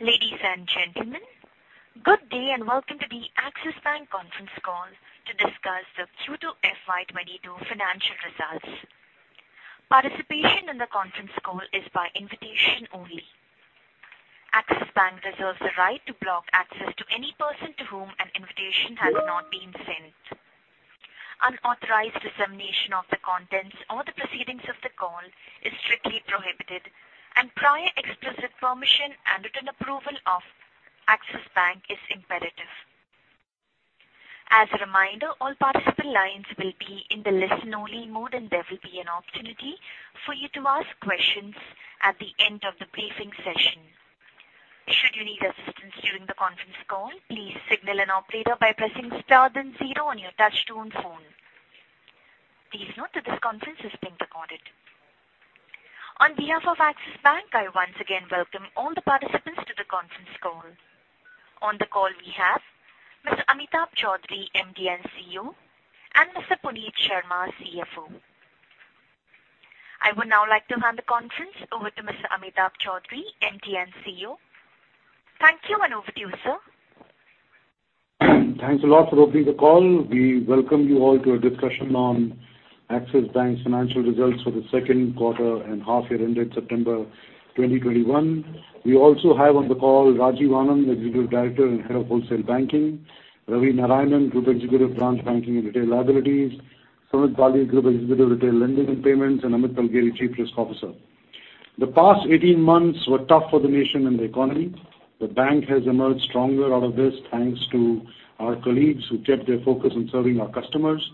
Ladies and gentlemen, good day and welcome to the Axis Bank conference call to discuss the Q2 FY 2022 financial results. Participation in the conference call is by invitation only. Axis Bank reserves the right to block access to any person to whom an invitation has not been sent. Unauthorized dissemination of the contents or the proceedings of the call is strictly prohibited and prior explicit permission and written approval of Axis Bank is imperative. As a reminder, all participant lines will be in the listen-only mode, and there will be an opportunity for you to ask questions at the end of the briefing session. Should you need assistance during the conference call, please signal an operator by pressing star then zero on your Touch-Tone phone. Please note that this conference is being recorded. On behalf of Axis Bank, I once again welcome all the participants to the conference call. On the call we have Mr. Amitabh Chaudhry, MD & CEO, and Mr. Puneet Sharma, CFO. I would now like to hand the conference over to Mr. Amitabh Chaudhry, MD & CEO. Thank you, and over to you, sir. Thanks a lot for opening the call. We welcome you all to a discussion on Axis Bank's financial results for the second quarter and half year ended September 2021. We also have on the call Rajiv Anand, Executive Director and Head of Wholesale Banking, Ravi Narayanan, Group Executive, Branch Banking and Retail Liabilities, Sumit Bali, Group Executive, Retail Lending and Payments, and Amit Talgeri, Chief Risk Officer. The past 18 months were tough for the nation and the economy. The bank has emerged stronger out of this, thanks to our colleagues who kept their focus on serving our customers.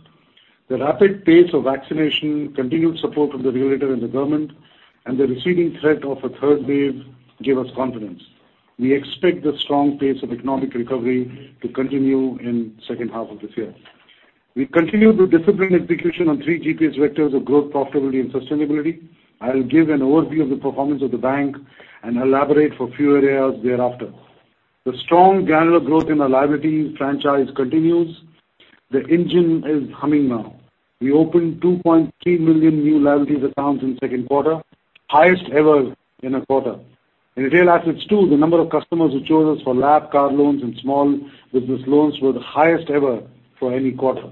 The rapid pace of vaccination, continued support of the regulator and the government, and the receding threat of a third wave give us confidence. We expect the strong pace of economic recovery to continue in second half of this year. We continue the disciplined execution on three GPS vectors of growth, profitability and sustainability. I'll give an overview of the performance of the bank and elaborate for few areas thereafter. The strong granular growth in our liabilities franchise continues. The engine is humming now. We opened 2.3 million new liabilities accounts in second quarter, highest ever in a quarter. In retail assets, too, the number of customers who chose us for LAP, car loans and small business loans were the highest ever for any quarter.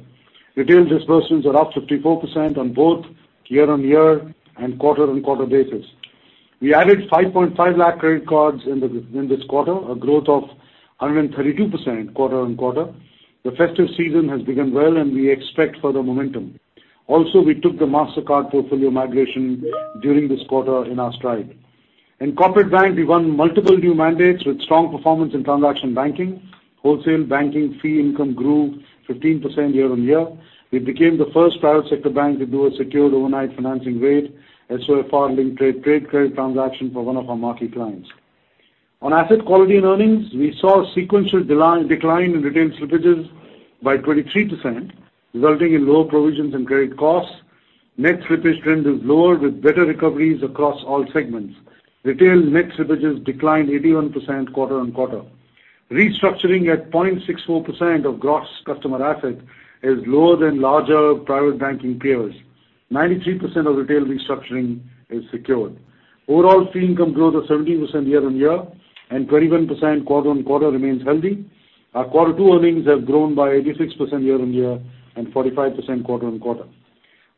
Retail disbursements are up 54% on both year-on-year and quarter-on-quarter basis. We added 5.5 lakh credit cards in this quarter, a growth of 132% quarter-on-quarter. The festive season has begun well, and we expect further momentum. Also, we took the Mastercard portfolio migration during this quarter in our stride. In corporate bank, we won multiple new mandates with strong performance in transaction banking. Wholesale banking fee income grew 15% year-on-year. We became the first private sector bank to do a Secured Overnight Financing Rate, SOFR funding trade credit transaction for one of our marquee clients. On asset quality and earnings, we saw a sequential decline in retail slippages by 23%, resulting in lower provisions and credit costs. Net slippage trend is lower with better recoveries across all segments. Retail net slippages declined 81% quarter-on-quarter. Restructuring at 0.64% of gross customer assets is lower than larger private banking peers. 93% of retail restructuring is secured. Overall fee income growth of 17% year-on-year and 21% quarter-on-quarter remains healthy. Our quarter two earnings have grown by 86% year-on-year and 45% quarter-on-quarter.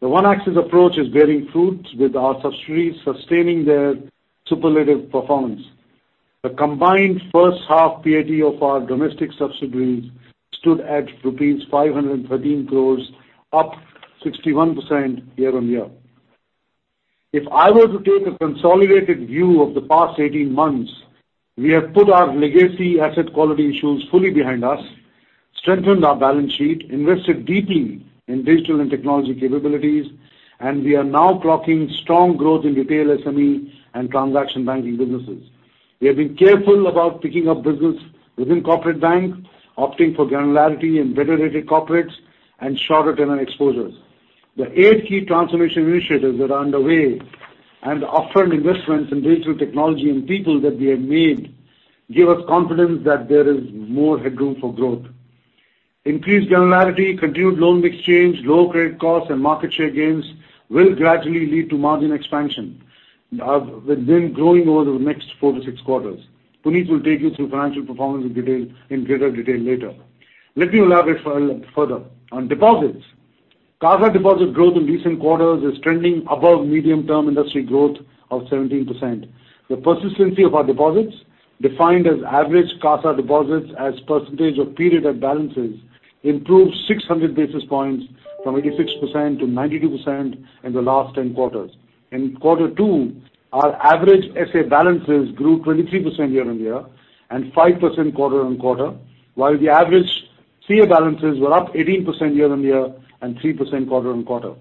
The one Axis approach is bearing fruit with our subsidiaries sustaining their superlative performance. The combined first half PAT of our domestic subsidiaries stood at rupees 513 crore, up 61% year-on-year. If I were to take a consolidated view of the past 18 months, we have put our legacy asset quality issues fully behind us, strengthened our balance sheet, invested deeply in digital and technology capabilities, and we are now clocking strong growth in retail SME and transaction banking businesses. We have been careful about picking up business within corporate bank, opting for granularity in better rated corporates and shorter-term exposures. The 8 key transformation initiatives that are underway and upfront investments in digital technology and people that we have made give us confidence that there is more headroom for growth. Increased granularity, continued loan mix change, low credit costs and market share gains will gradually lead to margin expansion, with them growing over the next four to six quarters. Puneet will take you through financial performance in detail, in greater detail later. Let me elaborate further. On deposits, CASA deposit growth in recent quarters is trending above medium-term industry growth of 17%. The persistency of our deposits, defined as average CASA deposits as percentage of period at balances, improved 600 basis points from 86% to 92% in the last 10 quarters. In quarter 2, our average SA balances grew 23% year-on-year and 5% quarter-on-quarter, while the average CA balances were up 18% year-on-year and 3% quarter-on-quarter.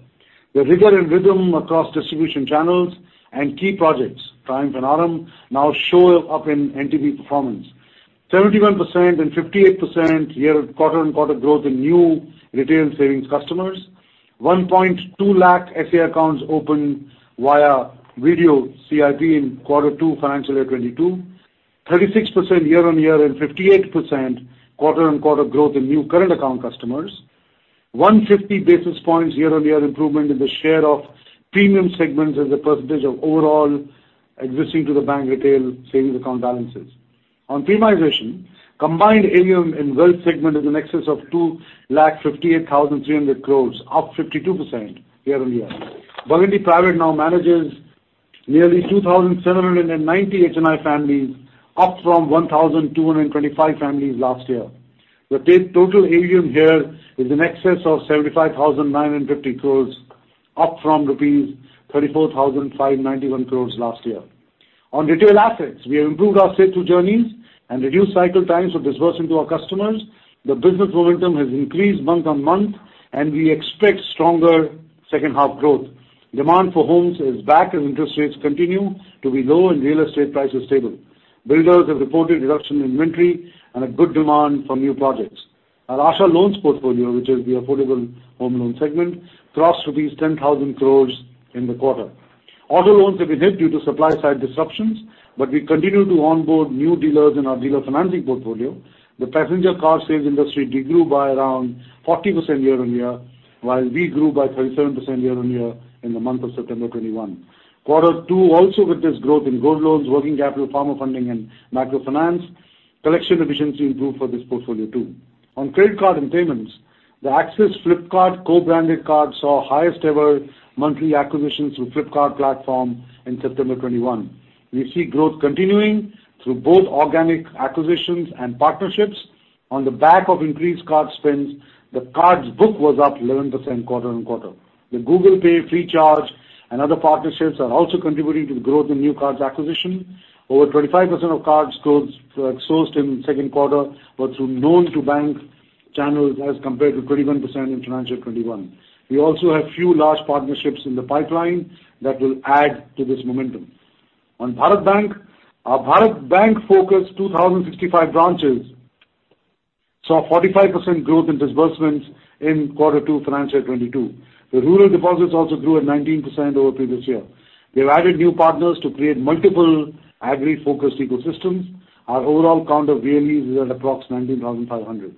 The rigor and rhythm across distribution channels and key projects, Triumph and Aram, now show up in NTB performance. 71% year-on-year and 58% quarter-on-quarter growth in new retail savings customers. 1.2 lakh SA accounts opened via video CIP in quarter two FY 2022. 36% year-on-year and 58% quarter-on-quarter growth in new current account customers. 150 basis points year-on-year improvement in the share of premium segments as a percentage of overall existing to the bank retail savings account balances. On premiumization, combined AUM in wealth segment is in excess of 2,58,300 crore, up 52% year-on-year. Burgundy Private now manages nearly 2,790 HNI families, up from 1,225 families last year. The total AUM here is in excess of 75,950 crores, up from rupees 34,591 crores last year. On retail assets, we have improved our stage two journeys and reduced cycle times for disbursing to our customers. The business momentum has increased month-on-month, and we expect stronger second half growth. Demand for homes is back and interest rates continue to be low and real estate prices stable. Builders have reported reduction in inventory and a good demand for new projects. Our Asha loans portfolio, which is the affordable home loan segment, crossed rupees 10,000 crores in the quarter. Auto loans have been hit due to supply side disruptions, but we continue to onboard new dealers in our dealer financing portfolio. The passenger car sales industry de-grew by around 40% year-on-year, while we grew by 37% year-on-year in the month of September 2021. Quarter two also witnessed growth in gold loans, working capital, farmer funding and microfinance. Collection efficiency improved for this portfolio too. On credit card and payments, the Axis Flipkart co-branded card saw highest ever monthly acquisitions through Flipkart platform in September 2021. We see growth continuing through both organic acquisitions and partnerships on the back of increased card spends. The cards book was up 11% quarter-on-quarter. The Google Pay, Freecharge and other partnerships are also contributing to the growth in new cards acquisition. Over 25% of cards closed sourced in the second quarter were through non-bank channels as compared to 21% in FY 2021. We also have few large partnerships in the pipeline that will add to this momentum. On Bharat Banking, our Bharat Banking-focused 2,065 branches saw 45% growth in disbursements in Q2 FY 2022. The rural deposits also grew at 19% over previous year. We have added new partners to create multiple agri-focused ecosystems. Our overall count of VLEs is at approx 90,500.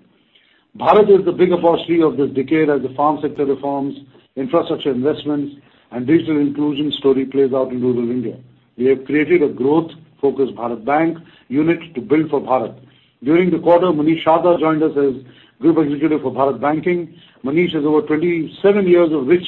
Bharat is the big opportunity of this decade as the farm sector reforms, infrastructure investments and digital inclusion story plays out in rural India. We have created a growth-focused Bharat Banking unit to build for Bharat. During the quarter, Munish Sharda joined us as Group Executive for Bharat Banking. Munish has over 27 years of rich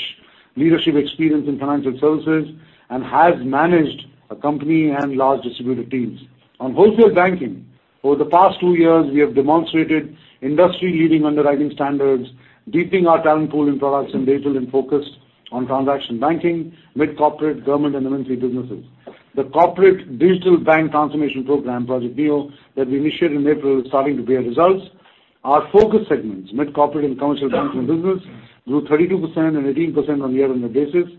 leadership experience in financial services and has managed a company and large distributed teams. On wholesale banking, over the past two years, we have demonstrated industry-leading underwriting standards, deepening our talent pool in products and digital and focused on transaction banking, mid-corporate, government and MNC businesses. The corporate digital bank transformation program, Project Neo, that we initiated in April is starting to bear results. Our focus segments, mid-corporate and commercial banking business, grew 32% and 18% on year-on-year basis.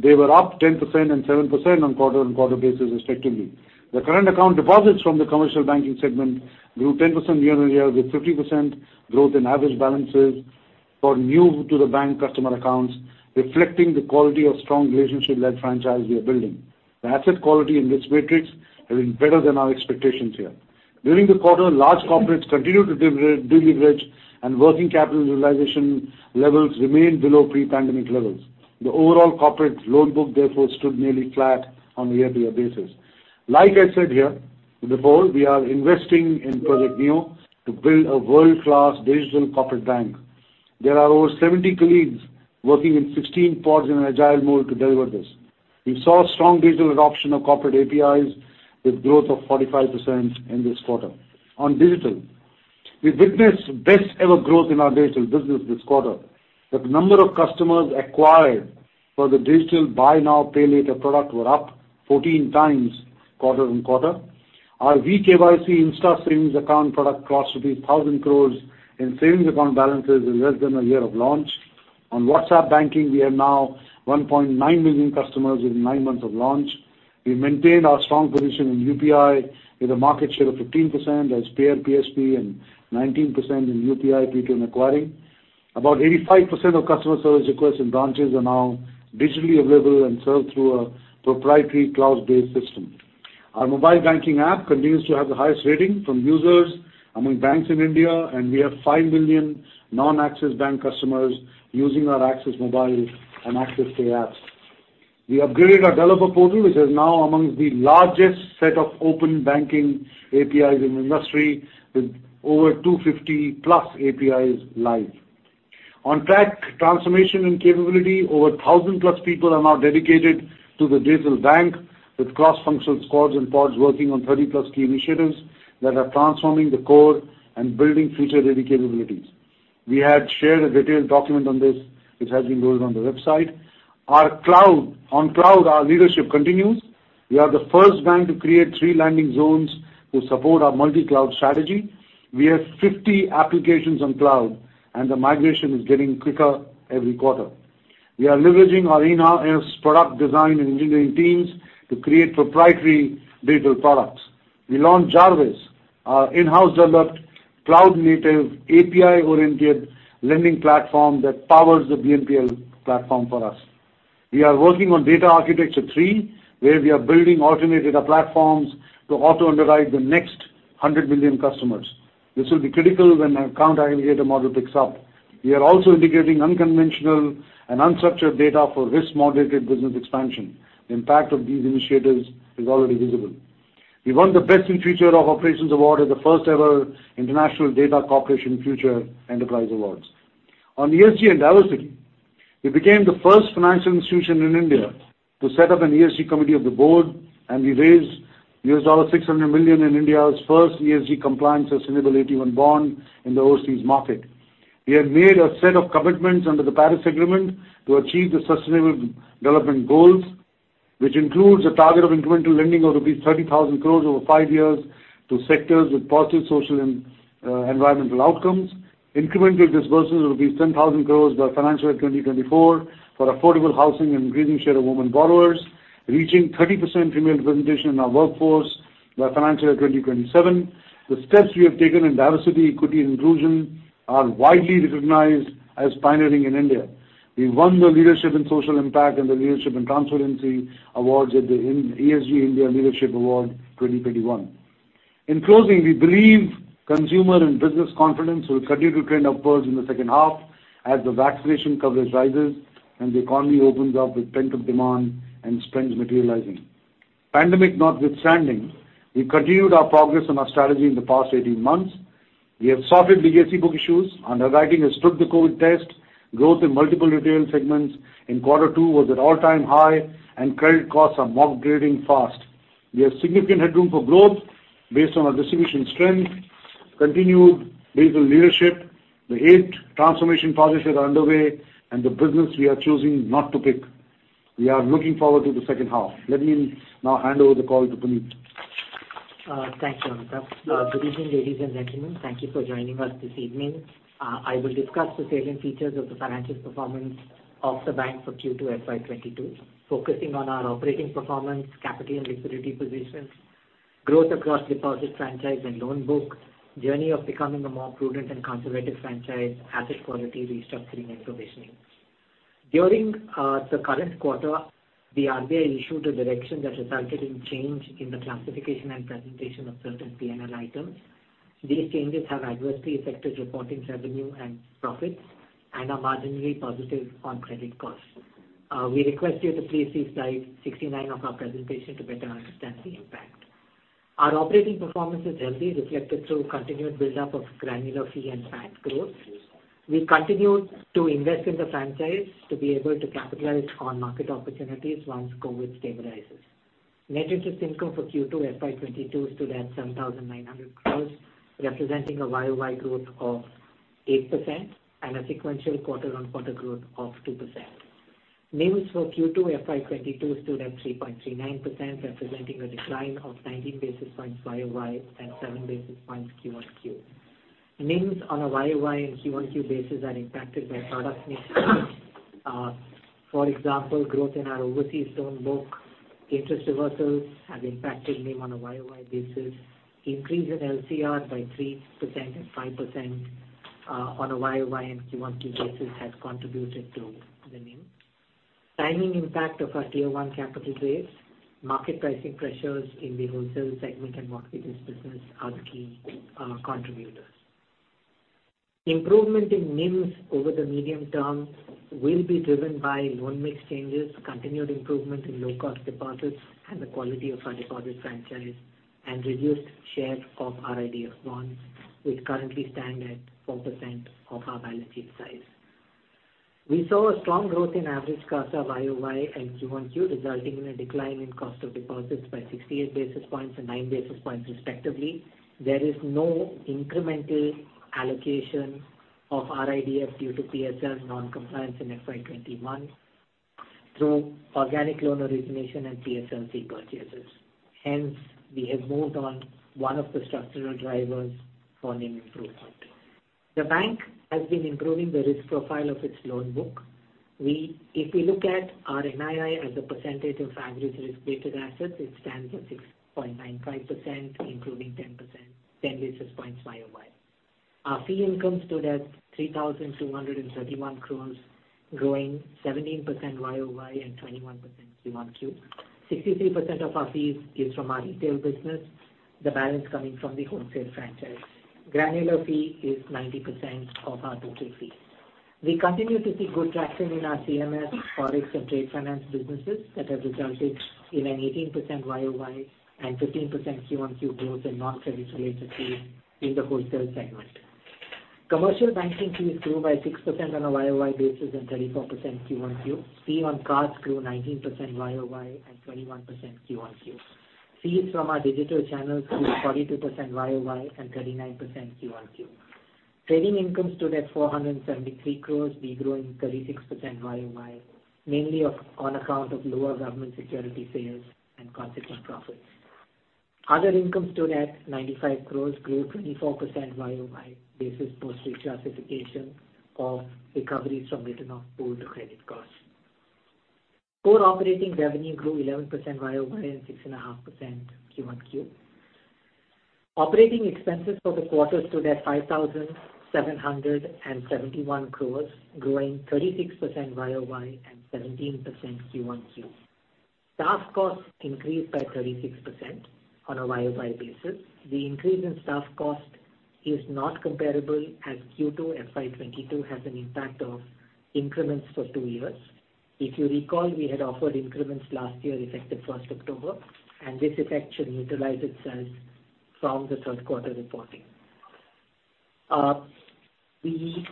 They were up 10% and 7% on quarter-on-quarter basis respectively. The current account deposits from the commercial banking segment grew 10% year-on-year, with 50% growth in average balances for new to the bank customer accounts, reflecting the quality of strong relationship-led franchise we are building. The asset quality in this matrix has been better than our expectations here. During the quarter, large corporates continued to deleverage and working capital utilization levels remained below pre-pandemic levels. The overall corporate loan book therefore stood nearly flat on a year-over-year basis. Like I said here before, we are investing in Project Neo to build a world-class digital corporate bank. There are over 70 colleagues working in 16 pods in an agile mode to deliver this. We saw strong digital adoption of corporate APIs with growth of 45% in this quarter. On digital, we witnessed best ever growth in our digital business this quarter. The number of customers acquired for the digital buy now, pay later product were up 14x quarter-over-quarter. Our VKYC Insta Savings Account product crossed rupees 1,000 crore in savings account balances in less than a year of launch. On WhatsApp Banking, we have now 1.9 million customers within nine months of launch. We maintained our strong position in UPI with a market share of 15% as payer PSP and 19% in UPI P2M acquiring. About 85% of customer service requests in branches are now digitally available and served through a proprietary cloud-based system. Our mobile banking app continues to have the highest rating from users among banks in India, and we have 5 million non-Axis Bank customers using our Axis Mobile and Axis Pay apps. We upgraded our developer portal, which is now amongst the largest set of open banking APIs in the industry with over 250+ APIs live. On tech transformation and capability, over 1,000+ people are now dedicated to the digital bank, with cross-functional squads and pods working on 30+ key initiatives that are transforming the core and building future-ready capabilities. We had shared a detailed document on this, which has been loaded on the website. Our cloud, on cloud, our leadership continues. We are the first bank to create 3 landing zones to support our multi-cloud strategy. We have 50 applications on cloud, and the migration is getting quicker every quarter. We are leveraging our in-house product design and engineering teams to create proprietary digital products. We launched Jarvis, our in-house developed cloud-native, API-oriented lending platform that powers the BNPL platform for us. We are working on data architecture 3, where we are building automated data platforms to auto underwrite the next 100 million customers. This will be critical when our account aggregator model picks up. We are also integrating unconventional and unstructured data for risk-moderated business expansion. The impact of these initiatives is already visible. We won the Best in Future of Operations award at the first-ever International Data Corporation Future Enterprise Awards. On ESG and diversity, we became the first financial institution in India to set up an ESG committee of the board, and we raised $600 million in India's first ESG-compliant sustainability-linked bond in the overseas market. We have made a set of commitments under the Paris Agreement to achieve the sustainable development goals, which includes a target of incremental lending of rupees 30,000 crore over five years to sectors with positive social and environmental outcomes. Incremental disbursements will be 10,000 crore by financial year 2024 for affordable housing and increasing share of women borrowers, reaching 30% female representation in our workforce by financial year 2027. The steps we have taken in diversity, equity, and inclusion are widely recognized as pioneering in India. We won the Leadership in Social Impact and the Leadership in Transparency awards at the ESG India Leadership Awards 2021. In closing, we believe consumer and business confidence will continue to trend upwards in the second half as the vaccination coverage rises and the economy opens up with pent-up demand and spends materializing. Pandemic notwithstanding, we continued our progress on our strategy in the past 18 months. We have sorted legacy book issues, underwriting has stood the COVID test, growth in multiple retail segments in quarter two was at all-time high, and credit costs are upgrading fast. We have significant headroom for growth based on our distribution strength, continued digital leadership, the 8 transformation projects that are underway, and the business we are choosing not to pick. We are looking forward to the second half. Let me now hand over the call to Puneet. Thanks, Amitabh. Good evening, ladies and gentlemen. Thank you for joining us this evening. I will discuss the salient features of the financial performance of the bank for Q2 FY 2022, focusing on our operating performance, capital and liquidity positions, growth across deposit franchise and loan book, journey of becoming a more prudent and conservative franchise, asset quality restructuring and provisioning. During the current quarter, the RBI issued a direction that resulted in change in the classification and presentation of certain P&L items. These changes have adversely affected reporting revenue and profits and are marginally positive on credit costs. We request you to please see slide 69 of our presentation to better understand the impact. Our operating performance is healthy, reflected through continued build-up of granular fee and NII growth. We continue to invest in the franchise to be able to capitalize on market opportunities once COVID stabilizes. Net interest income for Q2 FY 2022 stood at 7,900 crore, representing a YoY growth of 8% and a sequential quarter-on-quarter growth of 2%. NIMs for Q2 FY 2022 stood at 3.39%, representing a decline of 19 basis points YoY and 7 basis points Q-on-Q. NIMs on a YoY and Q-on-Q basis are impacted by product mix changes. For example, growth in our overseas loan book, interest reversals have impacted NIM on a YoY basis. Increase in LCR by 3% and 5%, on a YoY and Q-on-Q basis has contributed to the NIM. Timing impact of our Tier One capital raise, market pricing pressures in the wholesale segment and mortgages business are the key contributors. Improvement in NIMs over the medium term will be driven by loan mix changes, continued improvement in low-cost deposits, and the quality of our deposit franchise, and reduced share of our IDF bonds, which currently stand at 4% of our balance sheet size. We saw a strong growth in average CASA YoY and Q-on-Q, resulting in a decline in cost of deposits by 68 basis points and 9 basis points respectively. There is no incremental allocation of RIDF due to PSL non-compliance in FY 2021 through organic loan origination and PSLC purchases. Hence, we have moved on one of the structural drivers for NIM improvement. The bank has been improving the risk profile of its loan book. If we look at our NII as a percentage of average risk-weighted assets, it stands at 6.95%, improving 10 basis points YoY. Our fee income stood at 3,231 crore, growing 17% year-over-year and 21% quarter-over-quarter. 63% of our fees is from our retail business, the balance coming from the wholesale franchise. Granular fee is 90% of our total fees. We continue to see good traction in our CMS, Forex and trade finance businesses that have resulted in an 18% year-over-year and 15% quarter-over-quarter growth in non-credit related fees in the wholesale segment. Commercial banking fees grew by 6% on a year-over-year basis and 34% quarter-over-quarter. Fee on cards grew 19% year-over-year and 21% quarter-over-quarter. Fees from our digital channels grew 42% year-over-year and 39% quarter-over-quarter. Trading income stood at 473 crore, we growing 36% year-over-year, mainly of, on account of lower government security sales and consequent profits. Other income stood at 95 crore, grew 24% YoY basis post reclassification of recoveries from written off pool to credit costs. Core operating revenue grew 11% YoY and 6.5% Q-on-Q. Operating expenses for the quarter stood at 5,771 crore, growing 36% YoY and 17% QoQ. Staff costs increased by 36% on a YoY basis. The increase in staff cost is not comparable, as Q2 FY 2022 has an impact of increments for two years. If you recall, we had offered increments last year effective first October, and this effect should neutralize itself from the third quarter reporting. We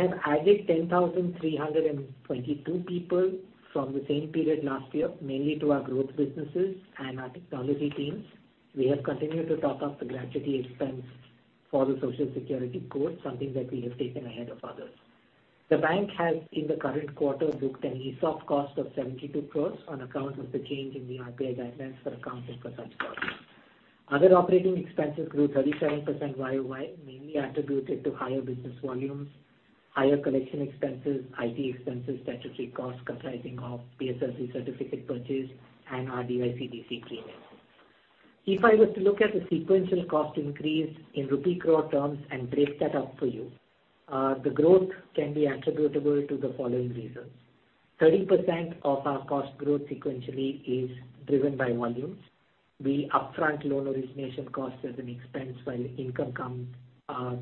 have added 10,322 people from the same period last year, mainly to our growth businesses and our technology teams. We have continued to top up the gratuity expense for the Social Security Code, something that we have taken ahead of others. The bank has, in the current quarter, booked an ESOP cost of 72 crore on account of the change in the RPA guidelines for accounting for such costs. Other operating expenses grew 37% year-over-year, mainly attributed to higher business volumes, higher collection expenses, IT expenses, statutory costs comprising of PSLC certificate purchase and our DICGC premium. If I was to look at the sequential cost increase in rupee crore terms and break that up for you, the growth can be attributable to the following reasons: 30% of our cost growth sequentially is driven by volumes. The upfront loan origination cost as an expense while income comes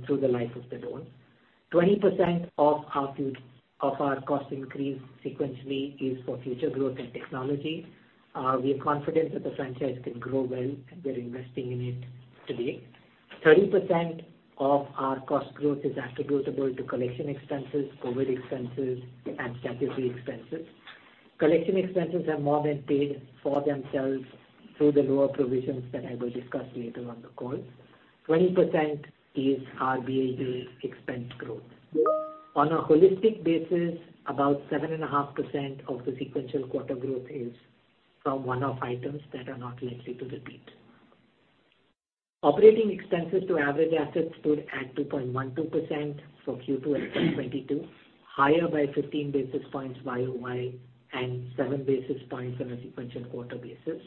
through the life of the loan. 20% of our cost increase sequentially is for future growth and technology. We are confident that the franchise can grow well, and we're investing in it today. 30% of our cost growth is attributable to collection expenses, COVID expenses, and statutory expenses. Collection expenses have more than paid for themselves through the lower provisions that I will discuss later on the call. 20% is our BAU expense growth. On a holistic basis, about 7.5% of the sequential quarter growth is from one-off items that are not likely to repeat. Operating expenses to average assets stood at 2.12% for Q2 FY 2022, higher by 15 basis points YoY, and 7 basis points on a sequential quarter basis.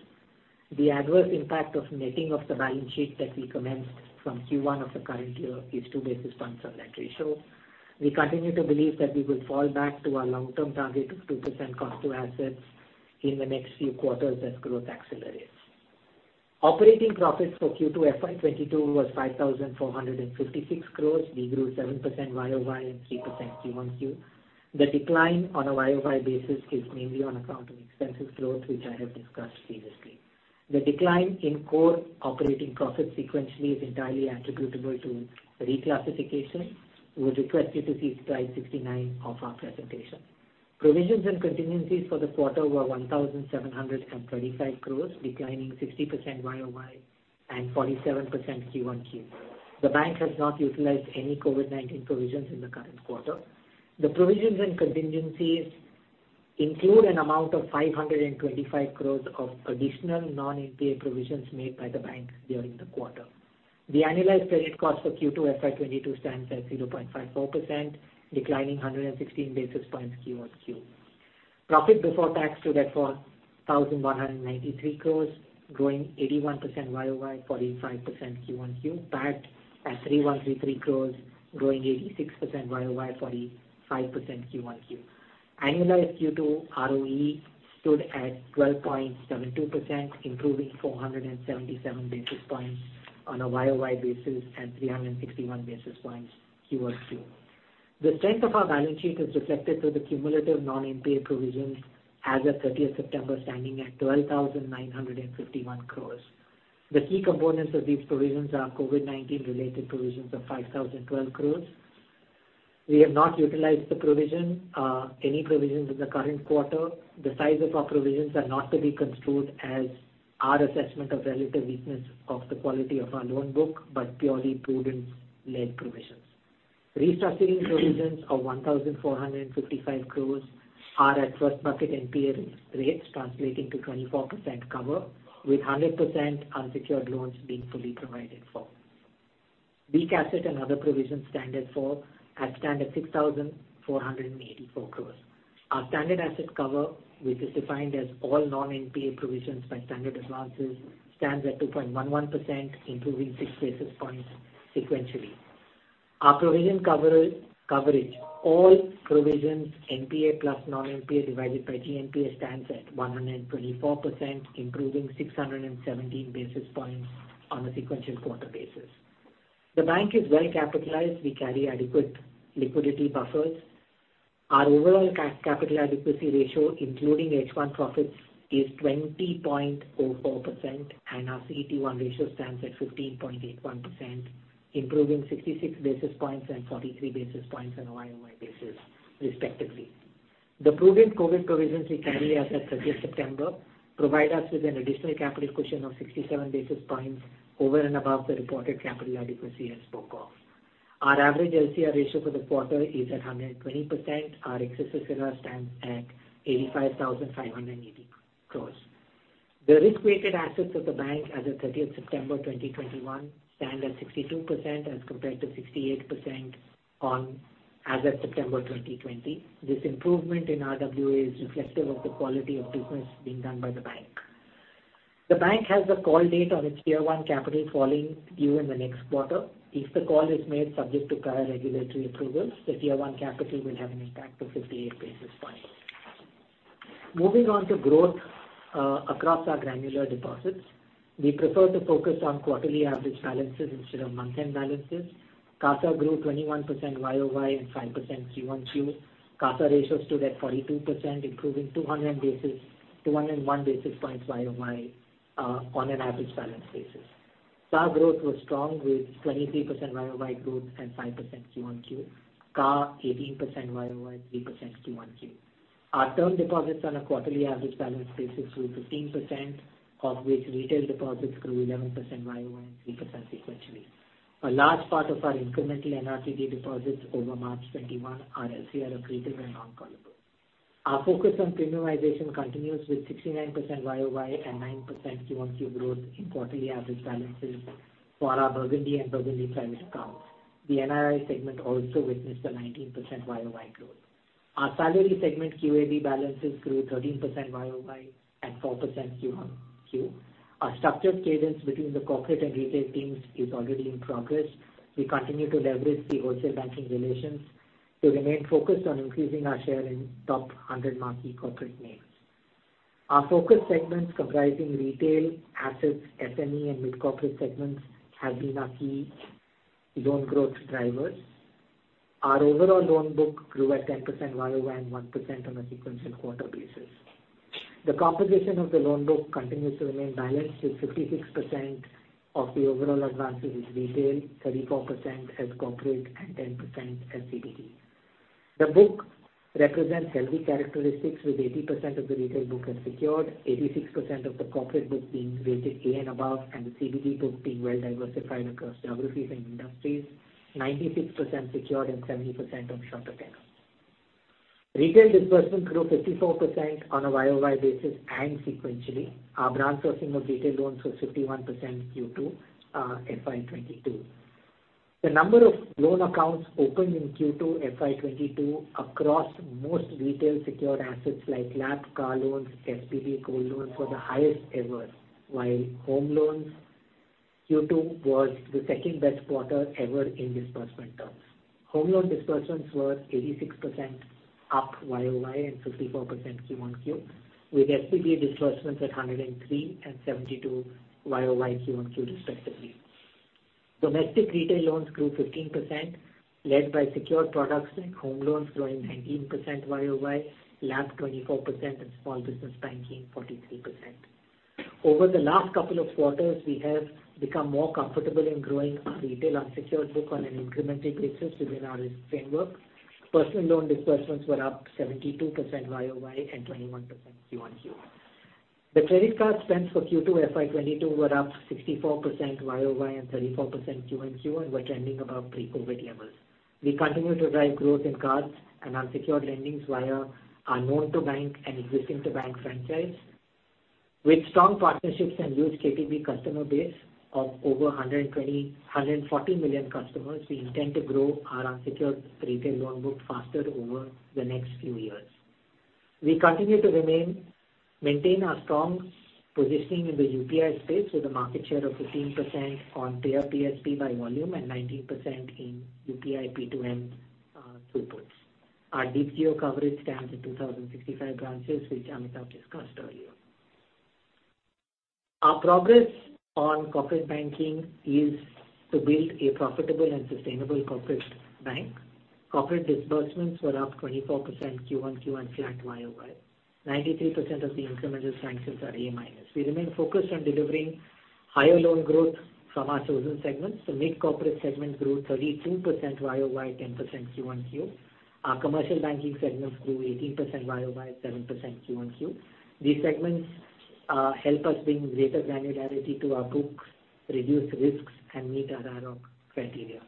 The adverse impact of netting of the balance sheet that we commenced from Q1 of the current year is 2 basis points on that ratio. We continue to believe that we will fall back to our long-term target of 2% cost to assets in the next few quarters as growth accelerates. Operating profits for Q2 FY 2022 was 5,456 crores. We grew 7% YoY and 3% Q1Q. The decline on a YoY basis is mainly on account of expenses growth, which I have discussed previously. The decline in core operating profits sequentially is entirely attributable to reclassification. We would request you to see slide 69 of our presentation. Provisions and contingencies for the quarter were 1,725 crores, declining 60% YoY and 47% Q1Q. The bank has not utilized any COVID-19 provisions in the current quarter. The provisions and contingencies include an amount of 525 crores of additional non-NPA provisions made by the bank during the quarter. The annualized credit cost for Q2 FY 2022 stands at 0.54%, declining 116 basis points quarter-over-quarter. Profit before tax stood at 4,193 crores, growing 81% year-over-year, 45% quarter-over-quarter. PAT at 3,133 crores, growing 86% year-over-year, 45% quarter-over-quarter. Annualized Q2 ROE stood at 12.72%, improving 477 basis points on a year-over-year basis and 361 basis points quarter-over-quarter. The strength of our balance sheet is reflected through the cumulative non-NPA provisions as of September 30, standing at 12,951 crores. The key components of these provisions are COVID-19 related provisions of 5,012 crores. We have not utilized any provisions in the current quarter. The size of our provisions are not to be construed as our assessment of relative weakness of the quality of our loan book, but purely prudence-led provisions. Restructuring provisions of 1,455 crores are at Stage 1 NPA rates, translating to 24% cover, with 100% unsecured loans being fully provided for. Weak asset and other provisions stand at 6,484 crores. Our standard asset cover, which is defined as all non-NPA provisions by standard advances, stands at 2.11%, improving 6 basis points sequentially. Our provision coverage, all provisions, NPA plus non-NPA divided by GNPA, stands at 124%, improving 617 basis points on a sequential quarter basis. The bank is well capitalized. We carry adequate liquidity buffers. Our overall capital adequacy ratio, including H1 profits, is 20.44%, and our CET1 ratio stands at 15.81%, improving 66 basis points and 43 basis points on a YoY basis, respectively. The prudent COVID provisions we carry as at 30th September provide us with an additional capital cushion of 67 basis points over and above the reported capital adequacy as spoken of. Our average LCR ratio for the quarter is at 120%. Our excess SLR stands at 85,580 crore. The risk-weighted assets of the bank as of 30th September 2021 stand at 62% as compared to 68% as of September 2020. This improvement in RWA is reflective of the quality improvements being done by the bank. The bank has a call date on its Tier 1 capital falling due in the next quarter. If the call is made subject to prior regulatory approvals, the Tier 1 capital will have an impact of 58 basis points. Moving on to growth across our granular deposits. We prefer to focus on quarterly average balances instead of month-end balances. CASA grew 21% YoY and 5% Q1Q. CASA ratio stood at 42%, improving 201 basis points YoY on an average balance basis. CASA growth was strong with 23% YoY growth and 5% Q1Q. CASA, 18% YoY, 3% Q1Q. Our term deposits on a quarterly average balance basis grew 15%, of which retail deposits grew 11% YoY and 3% sequentially. A large part of our incremental NRCD deposits over March 2021 are LCR accretive and non-callable. Our focus on premiumization continues with 69% YoY and 9% Q1Q growth in quarterly average balances for our Burgundy and Burgundy Private accounts. The NII segment also witnessed a 19% YoY growth. Our salary segment QAB balances grew 13% YoY and 4% Q1Q. Our structured cadence between the corporate and retail teams is already in progress. We continue to leverage the wholesale banking relations to remain focused on increasing our share in top 100 marquee corporate names. Our focus segments comprising retail, assets, SME, and mid-corporate segments have been our key loan growth drivers. Our overall loan book grew at 10% YoY and 1% on a sequential quarter basis. The composition of the loan book continues to remain balanced, with 56% of the overall advances is retail, 34% is corporate, and 10% is CBG. The book represents healthy characteristics with 80% of the retail book as secured, 86% of the corporate book being rated A and above, and the CBG book being well diversified across geographies and industries, 96% secured and 70% on shorter tenors. Retail disbursements grew 54% on a YoY basis and sequentially. Our branch sourcing of retail loans was 51% Q2 FY 2022. The number of loan accounts opened in Q2 FY 2022 across most retail secured assets like home, car loans, personal gold loans were the highest ever. While home loans, Q2 was the second-best quarter ever in disbursement terms. Home loan disbursements were 86% up YoY and 54% Q1Q, with SBB disbursements at 103% and 72% YoY Q1Q respectively. Domestic retail loans grew 15%, led by secured products like home loans growing 19% YoY, LAP 24% and Small Business Banking 43%. Over the last couple of quarters, we have become more comfortable in growing our retail unsecured book on an incremental basis within our risk framework. Personal loan disbursements were up 72% YoY and 21% Q1Q. The credit card spends for Q2 FY 2022 were up 64% YoY and 34% Q1Q and were trending above pre-COVID levels. We continue to drive growth in cards and unsecured lendings via our new-to-bank and existing-to-bank franchise. With strong partnerships and huge KTB customer base of over 140 million customers, we intend to grow our unsecured retail loan book faster over the next few years. We continue to maintain our strong positioning in the UPI space with a market share of 15% on payer PSP by volume and 19% in UPI P2M throughputs. Our DBCO coverage stands at 2,065 branches, which Amitabh discussed earlier. Our progress on corporate banking is to build a profitable and sustainable corporate bank. Corporate disbursements were up 24% QoQ and flat YoY. 93% of the incremental sanctions are A-. We remain focused on delivering higher loan growth from our chosen segments. The mid-corporate segment grew 32% YoY, 10% QoQ. Our commercial banking segment grew 18% YoY, 7% QoQ. These segments help us bring greater granularity to our books, reduce risks and meet our ROC criteria.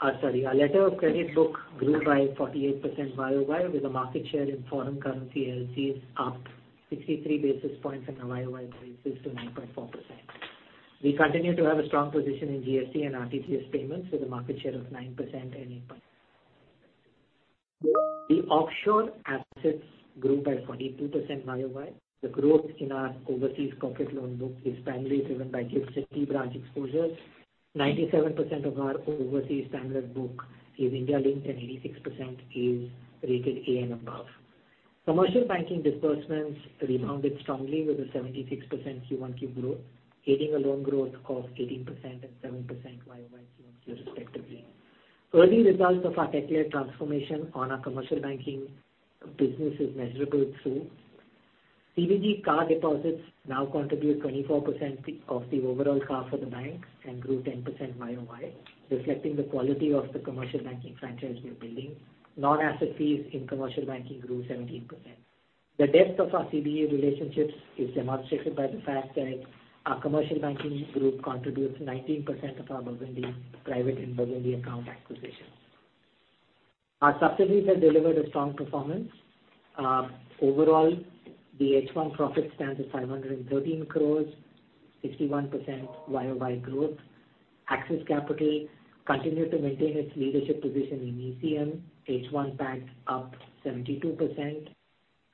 Our letter of credit book grew by 48% YoY, with a market share in foreign currency LCs up 63 basis points on a YoY basis to 9.4%. We continue to have a strong position in NGC and RTGS payments with a market share of 9% and 8%. The offshore assets grew by 42% YoY. The growth in our overseas corporate loan book is primarily driven by GIFT City branch exposures. 97% of our overseas standard book is India-linked, and 86% is rated A and above. Commercial banking disbursements rebounded strongly with a 76% Q1Q growth, aiding a loan growth of 18% and 7% YoY Q1Q respectively. Early results of our tech-led transformation on our commercial banking business is measurable too. CBG CA deposits now contribute 24% of the overall CASA for the bank and grew 10% YoY, reflecting the quality of the commercial banking franchise we are building. Non-interest fees in commercial banking grew 17%. The depth of our CBG relationships is demonstrated by the fact that our commercial banking group contributes 19% of our Burgundy Private and Burgundy account acquisitions. Our subsidiaries have delivered a strong performance. Overall, the H1 profit stands at 513 crore, 61% YoY growth. Axis Capital continued to maintain its leadership position in ECM. H1 PAT up 72%.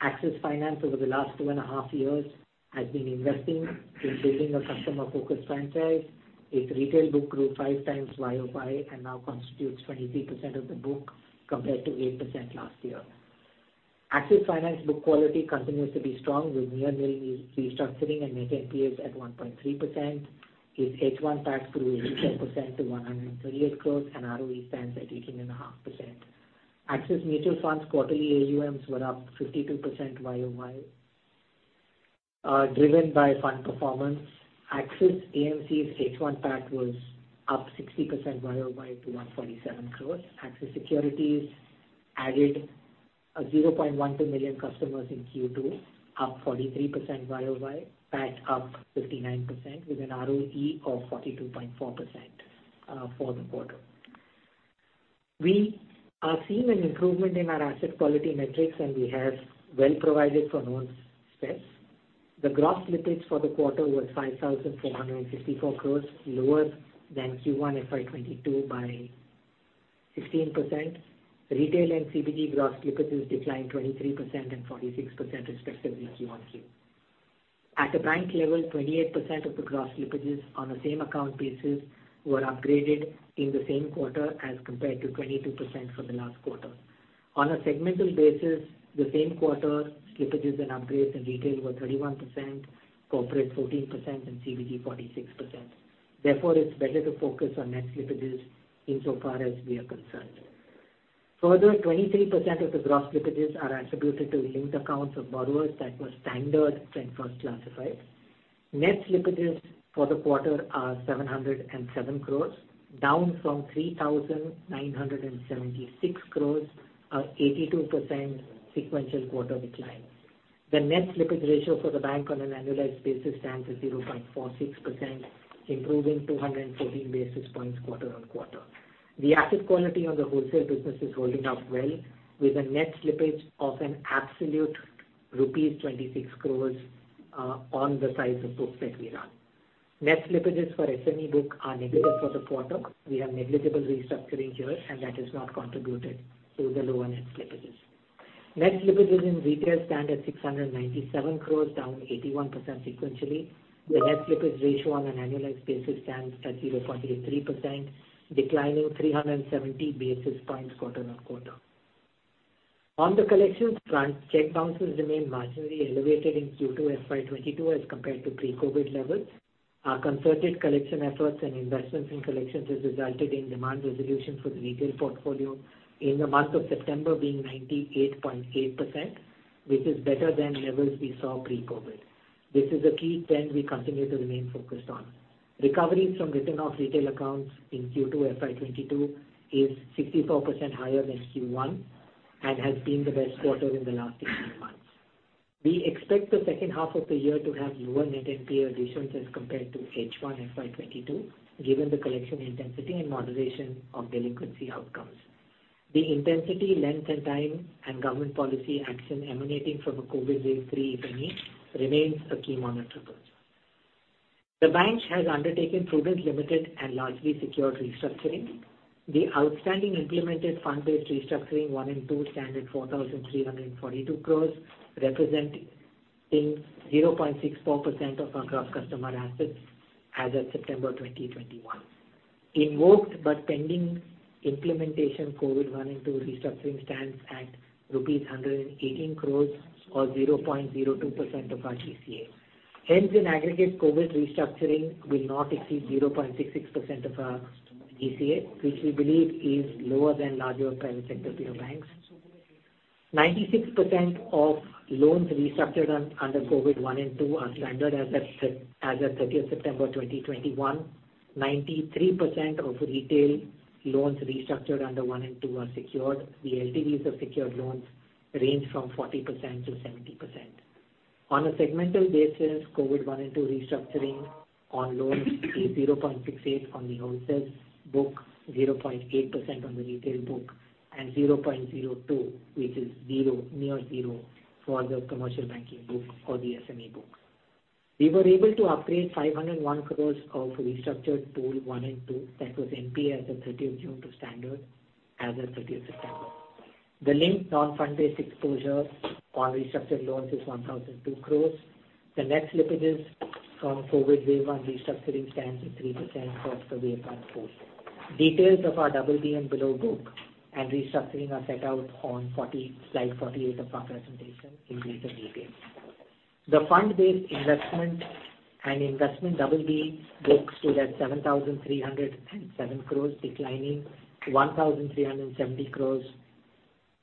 Axis Finance over the last two and a half years has been investing in building a customer-focused franchise. Its retail book grew 5x YoY and now constitutes 23% of the book, compared to 8% last year. Axis Finance book quality continues to be strong, with near-nil restructuring and net NPAs at 1.3%. Its H1 PAT grew 80% to 138 crore and ROE stands at 18.5%. Axis Mutual Funds quarterly AUMs were up 52% YoY, driven by fund performance. Axis AMC's H1 PAT was up 60% YoY to 147 crore. Axis Securities added 0.12 million customers in Q2, up 43% YoY, PAT up 59% with an ROE of 42.4% for the quarter. We are seeing an improvement in our asset quality metrics, and we have well provided for known stresses. The gross slippage for the quarter was 5,454 crores, lower than Q1 FY 2022 by 16%. Retail and CBG gross slippages declined 23% and 46% respectively Q on Q. At the bank level, 28% of the gross slippages on a same account basis were upgraded in the same quarter as compared to 22% from the last quarter. On a segmental basis, the same quarter slippages and upgrades in retail were 31%, corporate 14% and CBG 46%. Therefore, it's better to focus on net slippages insofar as we are concerned. Further, 23% of the gross slippages are attributed to linked accounts of borrowers that were standard when first classified. Net slippages for the quarter are 707 crores down from 3,976 crores, an 82% sequential quarter decline. The net slippage ratio for the bank on an annualized basis stands at 0.46%, improving 214 basis points quarter-on-quarter. The asset quality on the wholesale business is holding up well, with a net slippage of an absolute rupees 26 crore on the size of books that we run. Net slippages for SME book are negative for the quarter. We have negligible restructuring here, and that has not contributed to the lower net slippages. Net slippages in retail stand at 697 crore, down 81% sequentially. The net slippage ratio on an annualized basis stands at 0.83%, declining 370 basis points quarter-on-quarter. On the collections front, check bounces remain marginally elevated in Q2 FY 2022 as compared to pre-COVID levels. Our concerted collection efforts and investments in collections has resulted in demand resolution for the retail portfolio in the month of September being 98.8%, which is better than levels we saw pre-COVID. This is a key trend we continue to remain focused on. Recoveries from written-off retail accounts in Q2 FY 2022 is 64% higher than Q1 and has been the best quarter in the last 18 months. We expect the second half of the year to have lower net NPA additions as compared to H1 FY 2022, given the collection intensity and moderation of delinquency outcomes. The intensity, length, and time and government policy action emanating from a COVID wave three event remains a key monitor for us. The bank has undertaken prudent, limited, and largely secured restructuring. The outstanding implemented fund-based restructuring one and two stand at INR 4,342 crore, representing 0.64% of our gross customer assets as of September 2021. Invoked but pending implementation COVID one and two restructuring stands at rupees 118 crore or 0.02% of our GCA. Hence, in aggregate, COVID restructuring will not exceed 0.66% of our GCA, which we believe is lower than larger private sector peer banks. 96% of loans restructured on-under COVID one and two are standard as of 30th September 2021. 93% of retail loans restructured under one and two are secured. The LTVs of secured loans range from 40%-70%. On a segmental basis, COVID one and two restructuring on loans is 0.68% on the wholesale book, 0.8% on the retail book and 0.02%, which is zero, near zero, for the commercial banking book or the SME book. We were able to upgrade 501 crores of restructured pool one and two that was NPA as of thirtieth June to standard as of thirtieth September. The linked non-fund-based exposure on restructured loans is 1,002 crores. The net slippages from COVID wave one restructuring stands at 3% of the wave one pool. Details of our BB and below book and restructuring are set out on slide 48 of our presentation in greater detail. The fund-based investment and investment BB books stood at 7,307 crore, declining 1,370 crore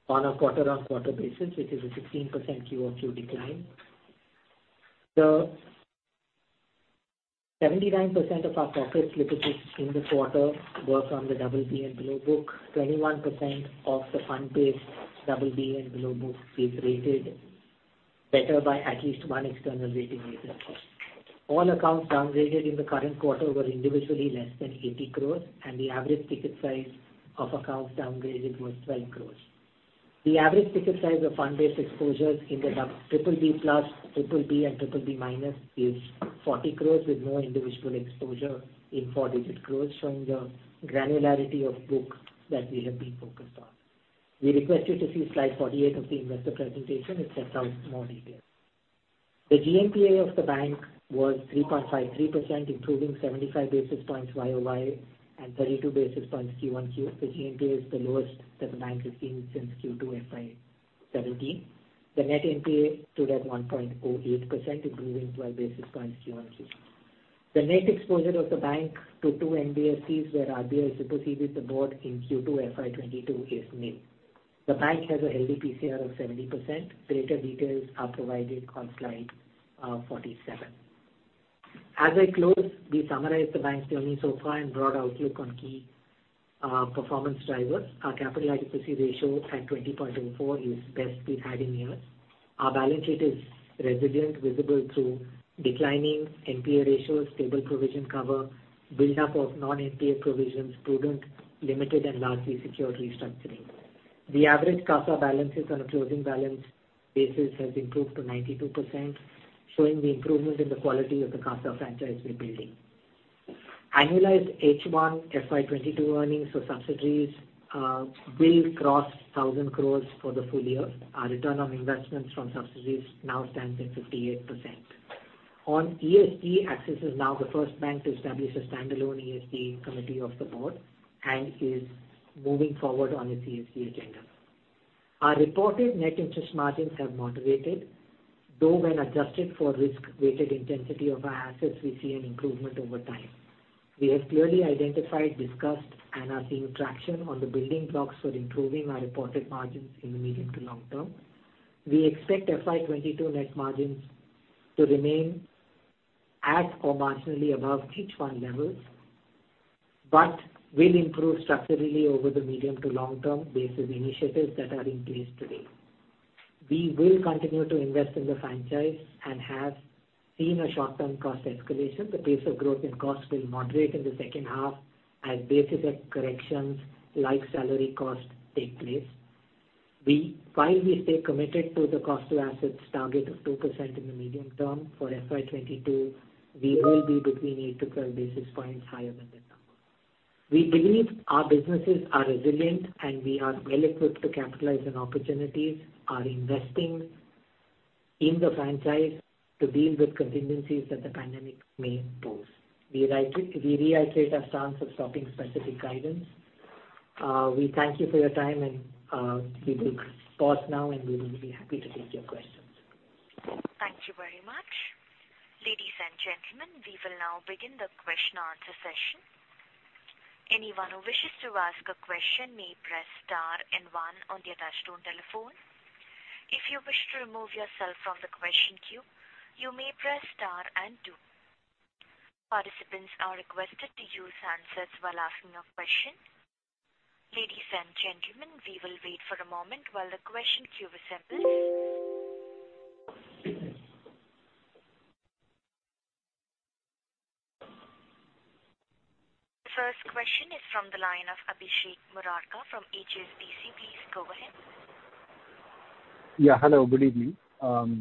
on a quarter-on-quarter basis, which is a 16% QoQ decline. The 79% of our profits slippages in this quarter were from the BB and below book. 21% of the fund-based BB and below book is rated better by at least one external rating agency. All accounts downgraded in the current quarter were individually less than 80 crore, and the average ticket size of accounts downgraded was 12 crore. The average ticket size of fund-based exposures in the BBB plus, BBB and BBB minus is 40 crore with no individual exposure in four-digit crore, showing the granularity of book that we have been focused on. We request you to see slide 48 of the investor presentation. It sets out more details. The GNPA of the bank was 3.53%, improving 75 basis points YoY and 32 basis points Q-on-Q. The GNPA is the lowest that the bank has been since Q2 FY 2017. The net NPA stood at 1.08%, improving 12 basis points Q-on-Q. The net exposure of the bank to two NBFCs where RBI superseded the board in Q2 FY 2022 is nil. The bank has a healthy PCR of 70%. Greater details are provided on slide 47. As I close, we summarize the bank's journey so far and broad outlook on key performance drivers. Our capital adequacy ratio at 20.04 is best we've had in years. Our balance sheet is resilient, visible through declining NPA ratios, stable provision cover, buildup of non-NPA provisions, prudent, limited and largely secured restructuring. The average CASA balances on a closing balance basis has improved to 92%, showing the improvement in the quality of the CASA franchise we're building. Annualized H1 FY 2022 earnings for subsidiaries will cross 1,000 crores for the full year. Our return on investments from subsidiaries now stands at 58%. On ESG, Axis is now the first bank to establish a standalone ESG committee of the board and is moving forward on its ESG agenda. Our reported net interest margins have moderated, though when adjusted for risk-weighted intensity of our assets, we see an improvement over time. We have clearly identified, discussed, and are seeing traction on the building blocks for improving our reported margins in the medium to long term. We expect FY 2022 net margins to remain at or marginally above H1 levels, but will improve structurally over the medium to long term based on initiatives that are in place today. We will continue to invest in the franchise and have seen a short-term cost escalation. The pace of growth in costs will moderate in the second half as base effect corrections like salary costs take place. While we stay committed to the cost to assets target of 2% in the medium term, for FY 2022, we will be between 8-12 basis points higher than that number. We believe our businesses are resilient, and we are well-equipped to capitalize on opportunities, are investing in the franchise to deal with contingencies that the pandemic may pose. We reiterate our stance of stopping specific guidance. We thank you for your time and we will pause now, and we will be happy to take your questions. Thank you very much. Ladies and gentlemen, we will now begin the question and answer session. Anyone who wishes to ask a question may press star and one on their touchtone telephone. If you wish to remove yourself from the question queue, you may press star and two. Participants are requested to use handsets while asking a question. Ladies and gentlemen, we will wait for a moment while the question queue assembles. The first question is from the line of Abhishek Murarka from HSBC. Please go ahead. Yeah, hello, good evening. Thanks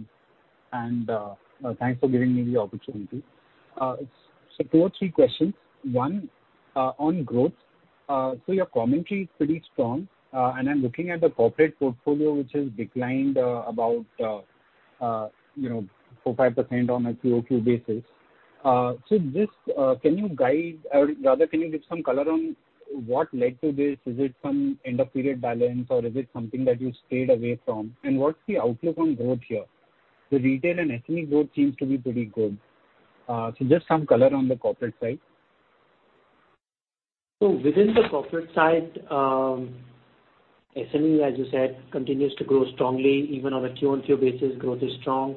for giving me the opportunity. Sir, two or three questions. One, on growth. Your commentary is pretty strong, and I'm looking at the corporate portfolio, which has declined about, you know, 4%-5% on a quarter-over-quarter basis. Just, can you guide or rather can you give some color on what led to this? Is it some end of period balance or is it something that you stayed away from? What's the outlook on growth here? The retail and SME growth seems to be pretty good. Just some color on the corporate side. Within the corporate side, SME, as you said, continues to grow strongly. Even on a Q-on-Q basis, growth is strong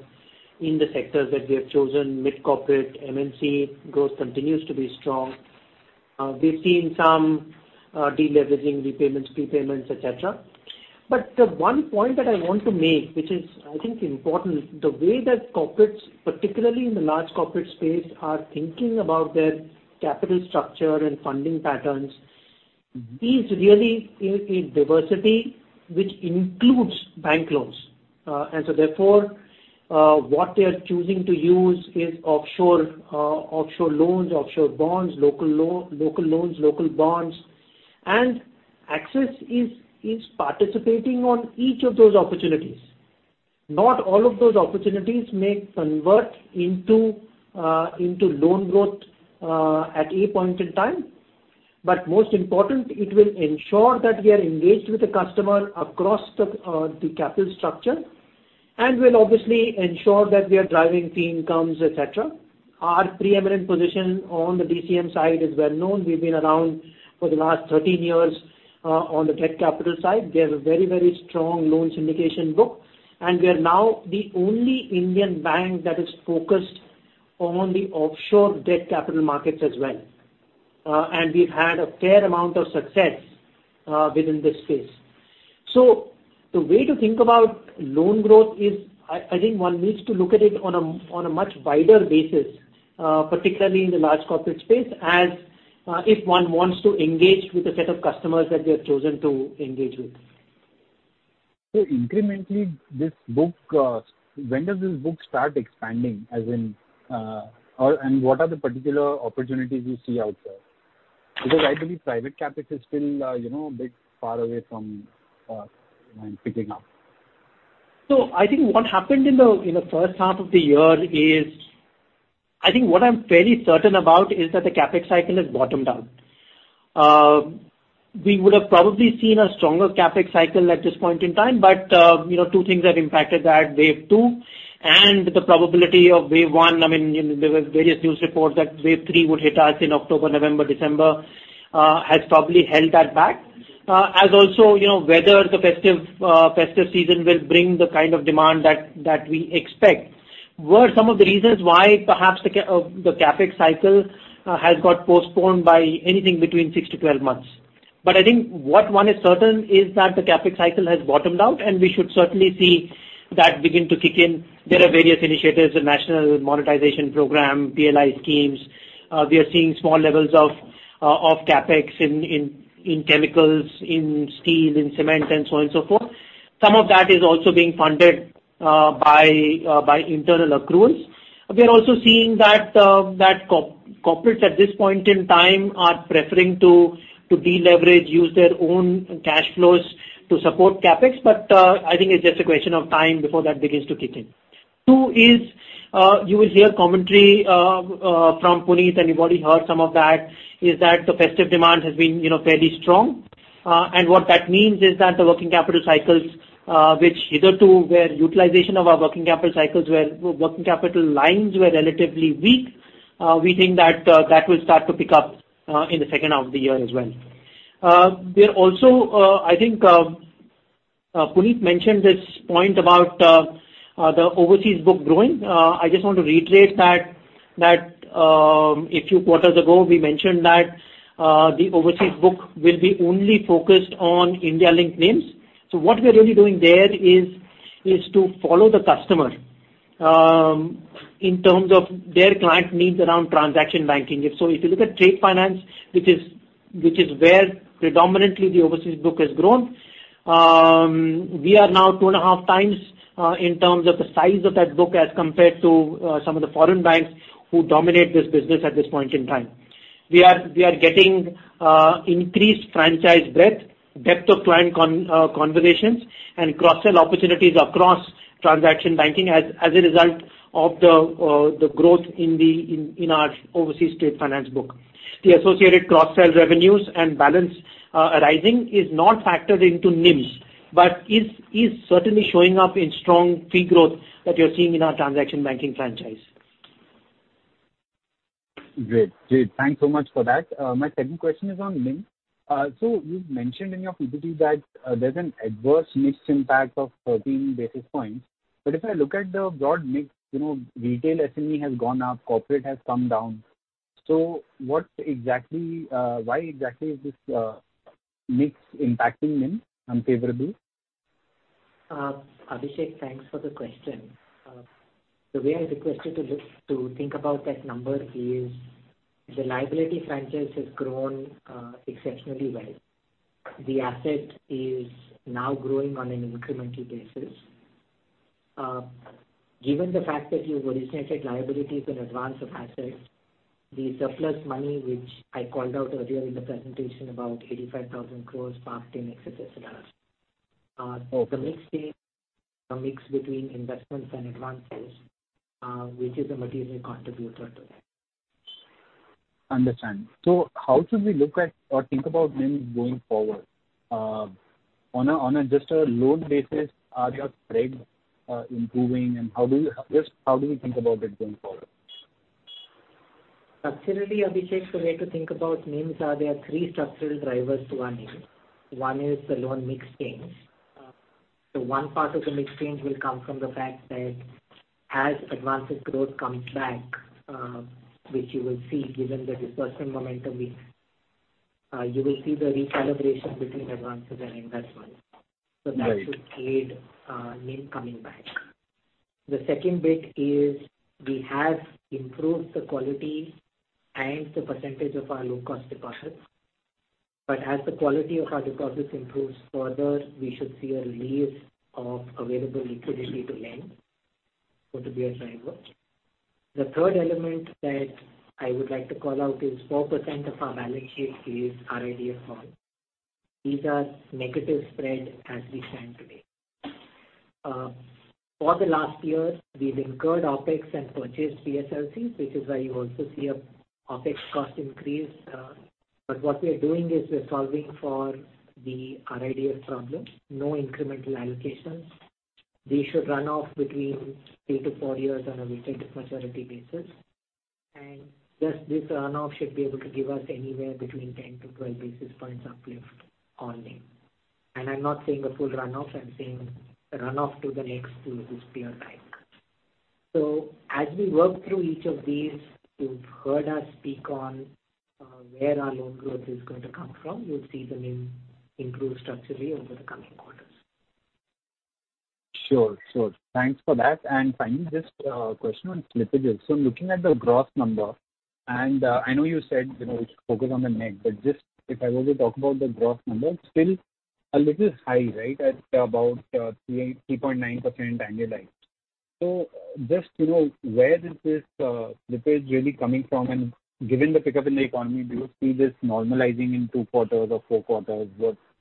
in the sectors that we have chosen. Mid-corporate, MNC growth continues to be strong. We've seen some deleveraging repayments, prepayments, et cetera. The one point that I want to make, which is, I think, important, the way that corporates, particularly in the large corporate space, are thinking about their capital structure and funding patterns is really a diversity which includes bank loans. What they are choosing to use is offshore loans, offshore bonds, local loans, local bonds. Axis is participating on each of those opportunities. Not all of those opportunities may convert into loan growth at a point in time. Most important, it will ensure that we are engaged with the customer across the capital structure and will obviously ensure that we are driving fee incomes, et cetera. Our preeminent position on the DCM side is well known. We've been around for the last 13 years on the debt capital side. We have a very, very strong loan syndication book, and we are now the only Indian bank that is focused on the offshore debt capital markets as well. And we've had a fair amount of success within this space. The way to think about loan growth is I think one needs to look at it on a much wider basis, particularly in the large corporate space, as If one wants to engage with a set of customers that they have chosen to engage with. Incrementally this book, when does this book start expanding? As in, or and what are the particular opportunities you see out there? Because I believe private CapEx is still, you know, a bit far away from, you know, picking up. I think what happened in the first half of the year is. I think what I'm fairly certain about is that the CapEx cycle has bottomed out. We would have probably seen a stronger CapEx cycle at this point in time. You know, two things have impacted that. Wave two and the probability of wave one. I mean, you know, there were various news reports that wave three would hit us in October, November, December, has probably held that back. You know, whether the festive season will bring the kind of demand that we expect, were some of the reasons why perhaps the CapEx cycle has got postponed by anything between six to 12 months. I think what one is certain is that the CapEx cycle has bottomed out, and we should certainly see that begin to kick in. There are various initiatives, the National Monetization Program, PLI schemes. We are seeing small levels of CapEx in chemicals, in steel, in cement and so on and so forth. Some of that is also being funded by internal accruals. We are also seeing that corporates at this point in time are preferring to deleverage, use their own cash flows to support CapEx. I think it's just a question of time before that begins to kick in. Two is, you will hear commentary from Puneet and you've already heard some of that, is that the festive demand has been, you know, fairly strong. What that means is that the working capital cycles, which hitherto where utilization of our working capital cycles were, working capital lines were relatively weak, we think that will start to pick up in the second half of the year as well. We are also, I think, Puneet mentioned this point about the overseas book growing. I just want to reiterate that, a few quarters ago, we mentioned that the overseas book will be only focused on India-linked NIMs. So what we are really doing there is to follow the customer in terms of their client needs around transaction banking. If you look at trade finance, which is where predominantly the overseas book has grown, we are now 2.5x in terms of the size of that book as compared to some of the foreign banks who dominate this business at this point in time. We are getting increased franchise breadth, depth of client conversations and cross-sell opportunities across transaction banking as a result of the growth in our overseas trade finance book. The associated cross-sell revenues and balance arising is not factored into NIMs, but is certainly showing up in strong fee growth that you're seeing in our transaction banking franchise. Great. Thanks so much for that. My second question is on NIM. You've mentioned in your EBT that there's an adverse mix impact of 13 basis points. If I look at the broad mix, you know, retail SME has gone up, corporate has come down. What exactly, why exactly is this mix impacting NIM unfavorably? Abhishek, thanks for the question. The way I request you to think about that number is the liability franchise has grown exceptionally well. The asset is now growing on an incremental basis. Given the fact that you've originated liabilities in advance of assets, the surplus money, which I called out earlier in the presentation, about 85,000 crore parked in excess SLRs. Okay. The mix change, the mix between investments and advances, which is a material contributor to that. Understand. How should we look at or think about NIM going forward? On a just a loan basis, are your spreads improving and just how do you think about it going forward? Structurally, Abhishek, the way to think about NIMs are there are three structural drivers to our NIM. One is the loan mix change. One part of the mix change will come from the fact that as advances growth comes back, which you will see the recalibration between advances and investments. Right. That should aid NIM coming back. The second bit is we have improved the quality and the percentage of our low-cost deposits. As the quality of our deposits improves further, we should see a release of available liquidity to lend to be a driver. The third element that I would like to call out is 4% of our balance sheet is RIDF loan. These are negative spread as we stand today. For the last year, we've incurred OpEx and purchased PSLCs, which is why you also see an OpEx cost increase. What we are doing is we're solving for the RIDF problem. No incremental allocations. They should run off between three to four years on a weighted maturity basis. Just this run off should be able to give us anywhere between 10-12 basis points uplift on NIM. I'm not saying a full run off, I'm saying run off to the next period time. As we work through each of these, you've heard us speak on where our loan growth is going to come from. You'll see the NIM improve structurally over the coming quarters. Sure, sure. Thanks for that. Finally, just a question on slippages. Looking at the gross number and, I know you said, you know, focus on the net, but just if I were to talk about the gross number, still a little high, right? At about 3.9% annualized. Just to know, where is this slippage really coming from? And given the pickup in the economy, do you see this normalizing in two quarters or four quarters?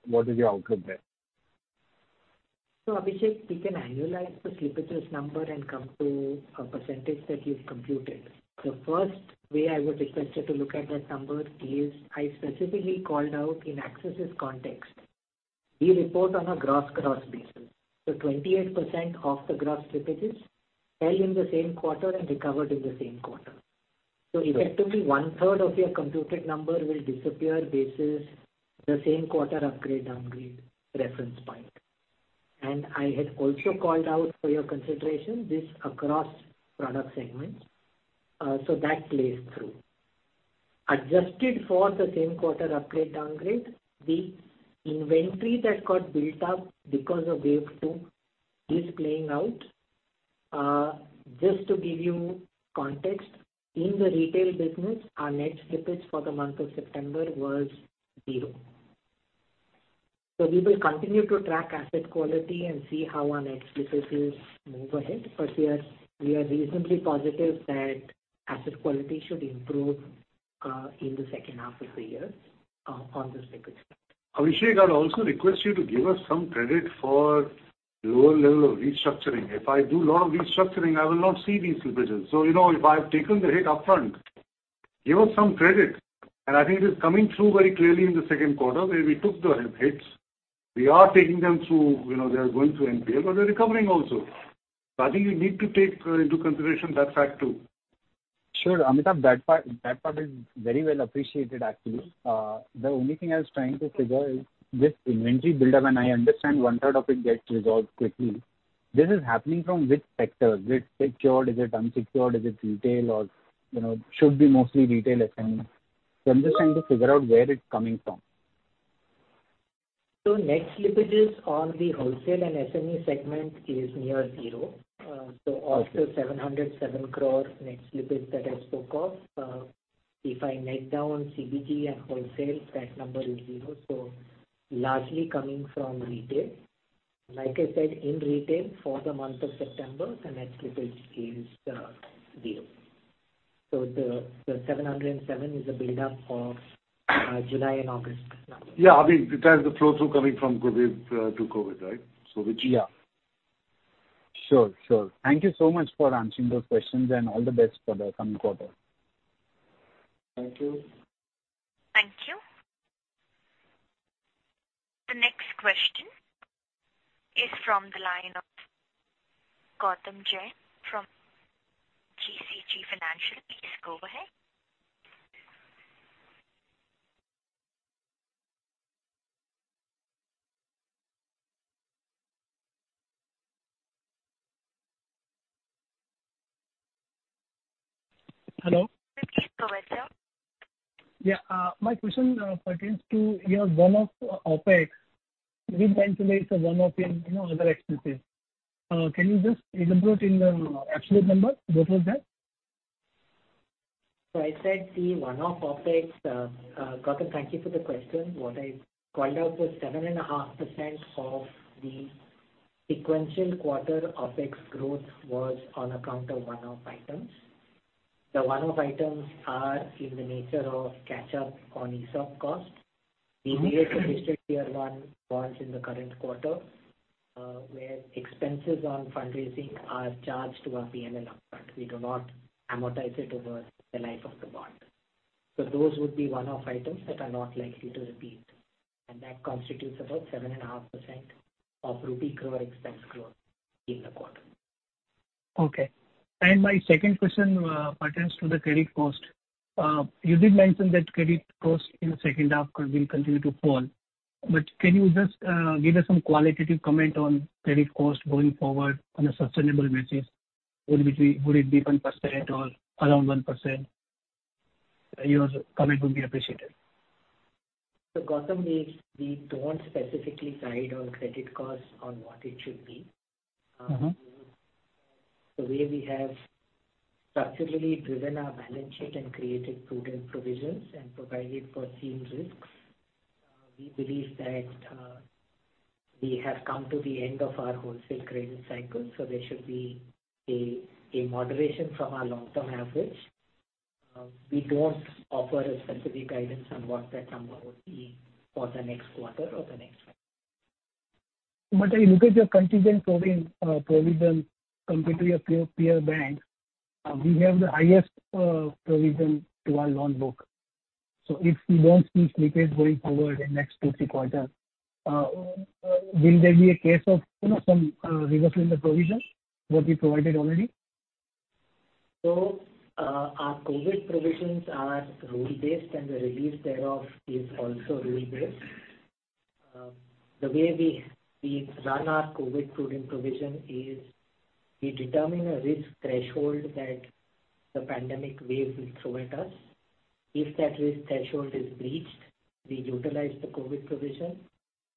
What is your outlook there? Abhishek, we can annualize the slippages number and come to a percentage that you've computed. The first way I would request you to look at that number is I specifically called out in Axis' context. We report on a gross cross basis. 28% of the gross slippages fell in the same quarter and recovered in the same quarter. Yeah. Effectively 1/3 of your computed number will disappear basis the same quarter upgrade, downgrade reference point. I had also called out for your consideration this across product segments. That plays through. Adjusted for the same quarter upgrade, downgrade, the inventory that got built up because of wave two is playing out. Just to give you context, in the retail business, our net slippage for the month of September was 0. We will continue to track asset quality and see how our net slippages move ahead. We are reasonably positive that asset quality should improve in the second half of the year on the slippage front. Abhishek, I'd also request you to give us some credit for lower level of restructuring. If I do lot of restructuring, I will not see these slippages. You know, if I've taken the hit upfront, give us some credit, and I think it is coming through very clearly in the second quarter where we took the hits. We are taking them through. You know, they are going through NPA, but they're recovering also. I think you need to take into consideration that fact too. Sure, Amitabh. That part is very well appreciated actually. The only thing I was trying to figure is this inventory buildup, and I understand one third of it gets resolved quickly. This is happening from which sector? Is it secured? Is it unsecured? Is it retail or, you know, should be mostly retail SME. I'm just trying to figure out where it's coming from. Net slippages on the wholesale and SME segment is near zero. Of the 707 crore net slippage that I spoke of, if I net down CBG and wholesale, that number is zero. Largely coming from retail. Like I said, in retail for the month of September, the net slippage is zero. The 707 is a buildup of July and August numbers. Yeah. I mean, because the flow through coming from COVID to COVID, right? Yeah. Sure, sure. Thank you so much for answering those questions and all the best for the coming quarter. Thank you. Thank you. The next question is from the line of Gautam Jain from GCJ Financial. Please go ahead. Hello. Please go ahead, sir. Yeah. My question pertains to your one-off OpEx. You did mention there is a one-off in, you know, other expenses. Can you just elaborate in absolute number? What was that? I said the one-off OpEx, Gautam, thank you for the question. What I called out was 7.5% of the sequential quarter OpEx growth was on account of one-off items. The one-off items are in the nature of catch up on ESOP costs. Mm-hmm. We raised registered Tier 1 bonds in the current quarter, where expenses on fundraising are charged to our P&L upfront. We do not amortize it over the life of the bond. Those would be one-off items that are not likely to repeat, and that constitutes about 7.5% of ₹ crore expense growth in the quarter. Okay. My second question pertains to the credit cost. You did mention that credit cost in the second half will continue to fall. Can you just give us some qualitative comment on credit cost going forward on a sustainable basis? Would it be 1% or around 1%? Your comment would be appreciated. Gautam, we don't specifically guide on credit costs on what it should be. Mm-hmm. The way we have structurally driven our balance sheet and created prudent provisions and provided for seen risks, we believe that we have come to the end of our wholesale credit cycle, so there should be a moderation from our long-term average. We don't offer a specific guidance on what that number would be for the next quarter or the next one. When you look at your contingent provision compared to your peer banks, we have the highest provision to our loan book. If we don't see slippage going forward in next two, three quarters, will there be a case of, you know, some reversal in the provision what we provided already? Our COVID provisions are rule-based, and the release thereof is also rule-based. The way we run our COVID prudent provision is we determine a risk threshold that the pandemic wave will throw at us. If that risk threshold is breached, we utilize the COVID provision.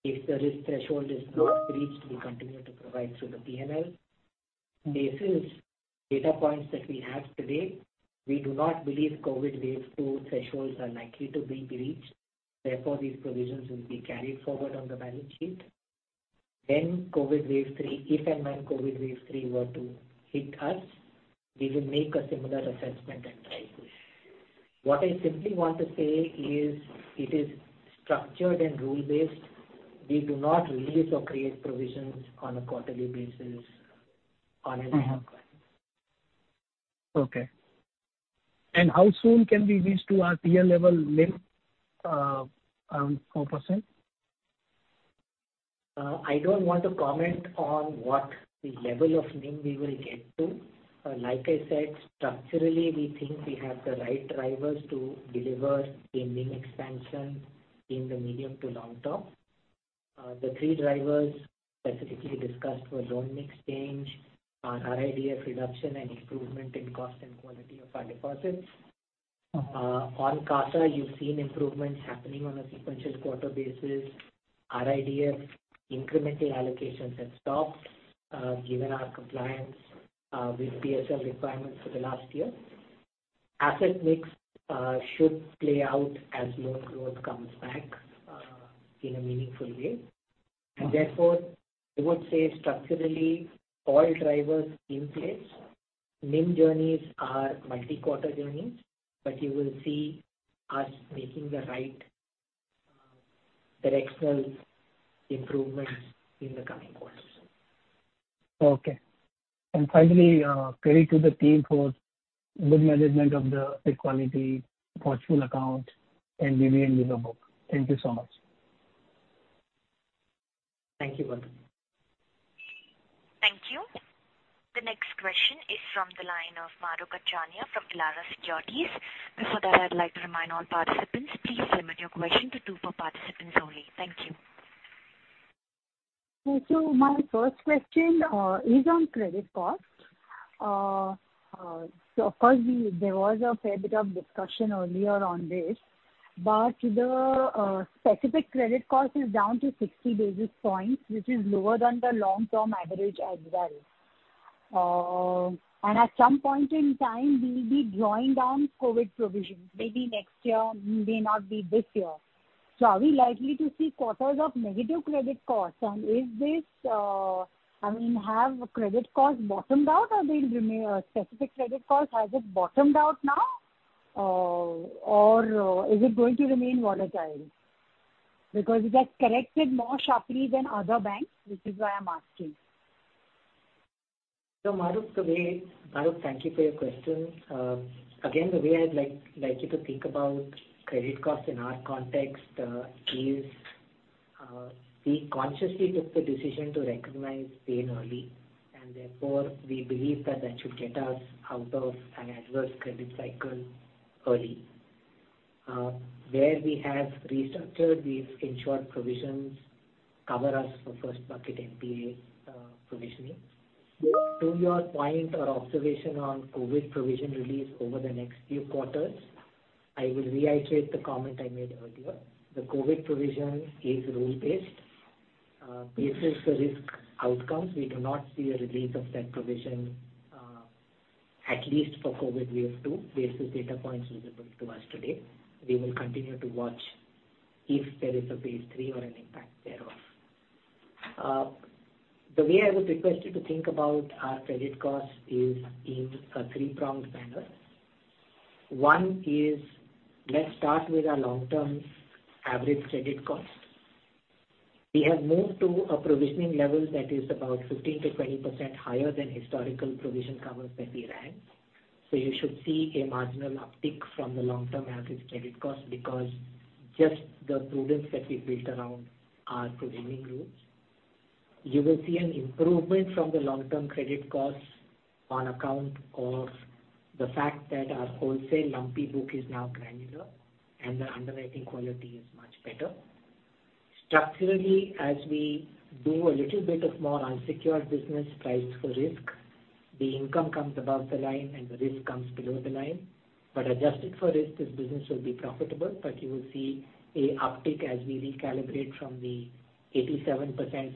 If the risk threshold is not breached, we continue to provide through the PNL. Based on data points that we have today, we do not believe COVID wave two thresholds are likely to be breached. Therefore, these provisions will be carried forward on the balance sheet. When COVID wave three, if and when COVID wave three were to hit us, we will make a similar assessment and price it. What I simply want to say is it is structured and rule-based. We do not release or create provisions on a quarterly basis or on an ad hoc basis. Okay. How soon can we reach to our target-level NIM 4%? I don't want to comment on what the level of NIM we will get to. Like I said, structurally, we think we have the right drivers to deliver a NIM expansion in the medium to long term. The three drivers specifically discussed were loan mix change, our RIDF reduction and improvement in cost and quality of our deposits. Uh-huh. On CASA, you've seen improvements happening on a sequential quarter basis. RIDF incremental allocations have stopped, given our compliance with PSL requirements for the last year. Asset mix should play out as loan growth comes back in a meaningful way. Uh- Therefore, I would say structurally, all drivers in place. NIM journeys are multi-quarter journeys, but you will see us making the right, directional improvements in the coming quarters. Okay. Finally, credit to the team for good management of the credit quality, portfolio account and GBN user book. Thank you so much. Thank you, Gautam Jain. Thank you. The next question is from the line of Mahrukh Adajania from Elara Securities. Before that, I'd like to remind all participants, please limit your question to two per participants only. Thank you. My first question is on credit costs. Of course, there was a fair bit of discussion earlier on this, but the specific credit cost is down to 60 basis points, which is lower than the long-term average as well. At some point in time, we'll be drawing down COVID provisions, maybe next year, may not be this year. Are we likely to see quarters of negative credit costs? Is this, I mean, have credit costs bottomed out? Or specific credit costs, has it bottomed out now? Or is it going to remain volatile? Because it has corrected more sharply than other banks, which is why I'm asking. Mahrukh, thank you for your question. Again, the way I'd like you to think about credit costs in our context is we consciously took the decision to recognize pain early, and therefore we believe that should get us out of an adverse credit cycle early. Where we have restructured, we've ensured provisions cover us for first bucket NPA provisioning. Sure. To your point or observation on COVID provision release over the next few quarters, I will reiterate the comment I made earlier. The COVID provision is rule-based, based on the risk outcomes. We do not see a release of that provision, at least for COVID wave two, based on data points visible to us today. We will continue to watch if there is a phase three or an impact thereof. The way I would request you to think about our credit costs is in a three-pronged manner. One is, let's start with our long-term average credit cost. We have moved to a provisioning level that is about 15%-20% higher than historical provision coverage that we ran. You should see a marginal uptick from the long-term average credit cost because just the prudence that we built around our provisioning rules. You will see an improvement from the long-term credit costs on account of the fact that our wholesale lumpy book is now granular and the underwriting quality is much better. Structurally, as we do a little bit of more unsecured business priced for risk, the income comes above the line and the risk comes below the line. Adjusted for risk, this business will be profitable, but you will see an uptick as we recalibrate from the 87%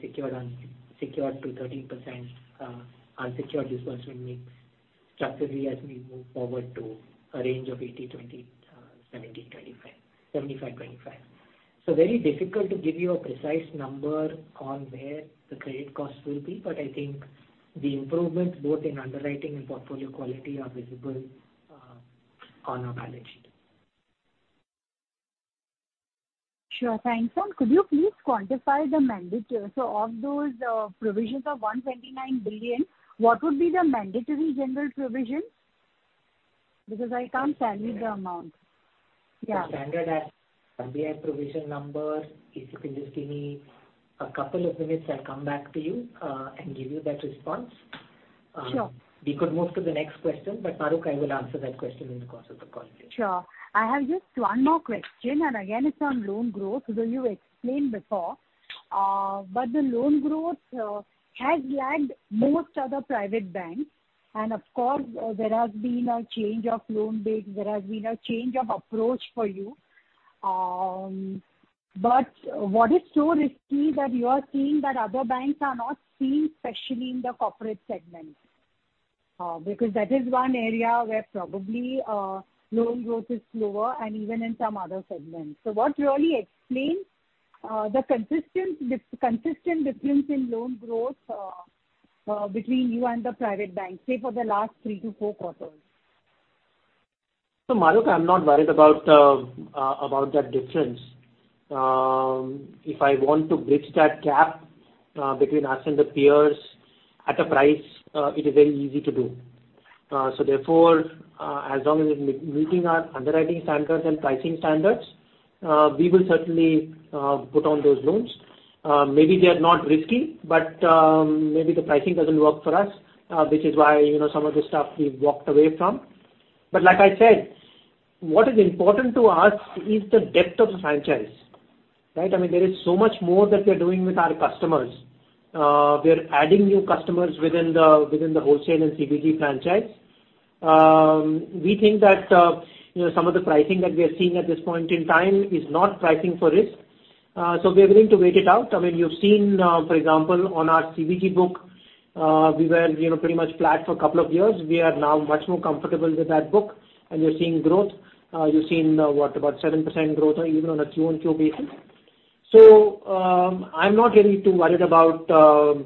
secured to 13% unsecured disbursement mix structurally as we move forward to a range of 80/20, 70/25, 75/25. Very difficult to give you a precise number on where the credit costs will be, but I think the improvements both in underwriting and portfolio quality are visible on our balance sheet. Sure. Thanks. Could you please quantify the mandate? Of those provisions of 129 billion, what would be the mandatory general provision? Because I can't fathom the amount. Yeah. The standard at NBI provision number, if you can just give me a couple of minutes, I'll come back to you, and give you that response. Sure. We could move to the next question, but Mahrukh, I will answer that question in the course of the call today. Sure. I have just one more question, and again, it's on loan growth. You explained before, but the loan growth has lagged most other private banks. Of course, there has been a change of loan base. There has been a change of approach for you. But what is so risky that you are seeing that other banks are not seeing, especially in the corporate segment? Because that is one area where probably loan growth is slower and even in some other segments. What really explains the consistent difference in loan growth between you and the private banks, say for the last three to four quarters? Mahrukh, I'm not worried about about that difference. If I want to bridge that gap between us and the peers at a price, it is very easy to do. Therefore, as long as it's meeting our underwriting standards and pricing standards, we will certainly put on those loans. Maybe they are not risky, but maybe the pricing doesn't work for us, which is why, you know, some of the stuff we've walked away from. But like I said, what is important to us is the depth of the franchise, right? I mean, there is so much more that we are doing with our customers. We are adding new customers within the wholesale and CBG franchise. We think that, you know, some of the pricing that we are seeing at this point in time is not pricing for risk, so we are willing to wait it out. I mean, you've seen, for example, on our CBG book, we were, you know, pretty much flat for a couple of years. We are now much more comfortable with that book, and we're seeing growth. You've seen, what? About 7% growth even on a Q-on-Q basis. I'm not really too worried about,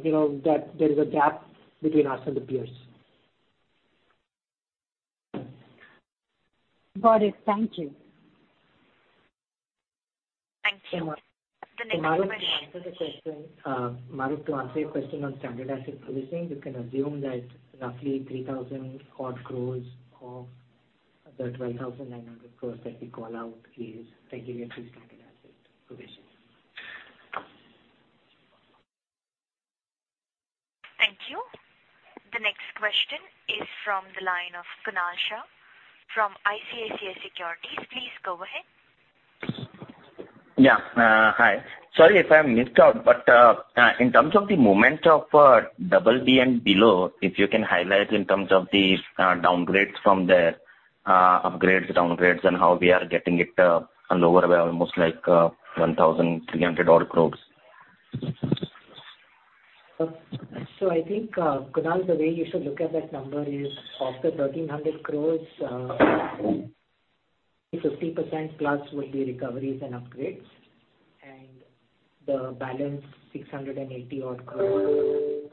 you know, that there is a gap between us and the peers. Got it. Thank you. Thank you. The next question. Mahrukh, to answer your question on standard asset provisioning, you can assume that roughly 3,000-odd crore of the 12,900 crore that we call out is the regulatory standard asset provision. Thank you. The next question is from the line of Kunal Shah from ICICI Securities. Please go ahead. Yeah. Hi. Sorry if I missed out, but in terms of the movement of BB and below, if you can highlight in terms of the downgrades from there, upgrades, downgrades, and how we are getting it lower by almost like 1,300 crore. I think, Kunal, the way you should look at that number is of the 1,300 crore, 50% plus will be recoveries and upgrades, and the balance 680-odd crore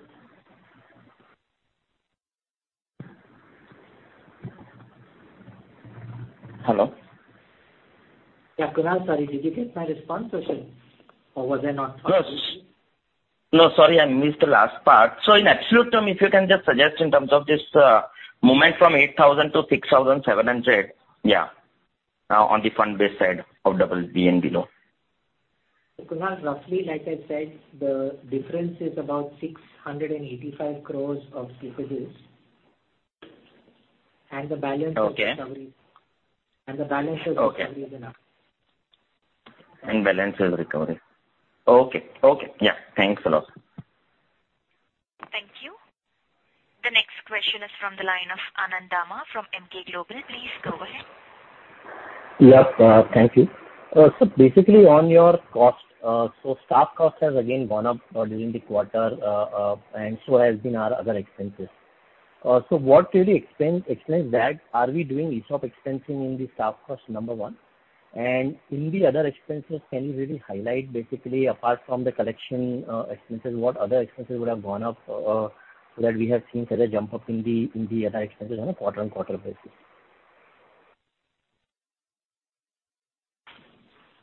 Hello? Yeah, Kunal, sorry, did you get my response or was I not- No. No, sorry, I missed the last part. In absolute term, if you can just suggest in terms of this, yeah, movement from 8,000 to 6,700, on the fund-based side of BB and below. Kunal, roughly, like I said, the difference is about 685 crores of receivables, and the balance- Okay. of recovery. The balance of recovery is enough. Balance is recovery. Okay. Okay. Yeah. Thanks a lot. Thank you. The next question is from the line of Anand Dama from Emkay Global. Please go ahead. Yeah. Thank you. Basically on your cost, staff cost has again gone up during the quarter, and our other expenses have gone up. What really explains that expense? Are we doing ESOP expensing in the staff cost? Number one. In the other expenses, can you really highlight basically, apart from the collection expenses, what other expenses would have gone up, that we have seen such a jump up in the other expenses on a quarter-on-quarter basis?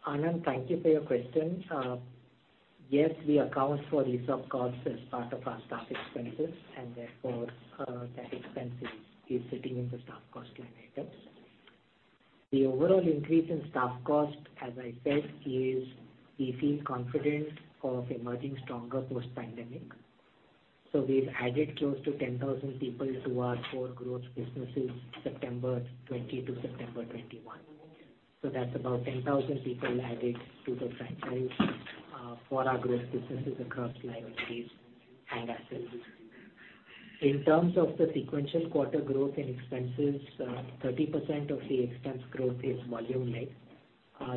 Anand, thank you for your question. Yes, we account for ESOP costs as part of our staff expenses, and therefore, that expense is sitting in the staff cost line items. The overall increase in staff cost, as I said, is we feel confident of emerging stronger post-pandemic. We've added close to 10,000 people to our core growth businesses, September 2020 to September 2021. That's about 10,000 people added to the franchise, for our growth businesses across liabilities and assets. In terms of the sequential quarter growth in expenses, 30% of the expense growth is volume-led.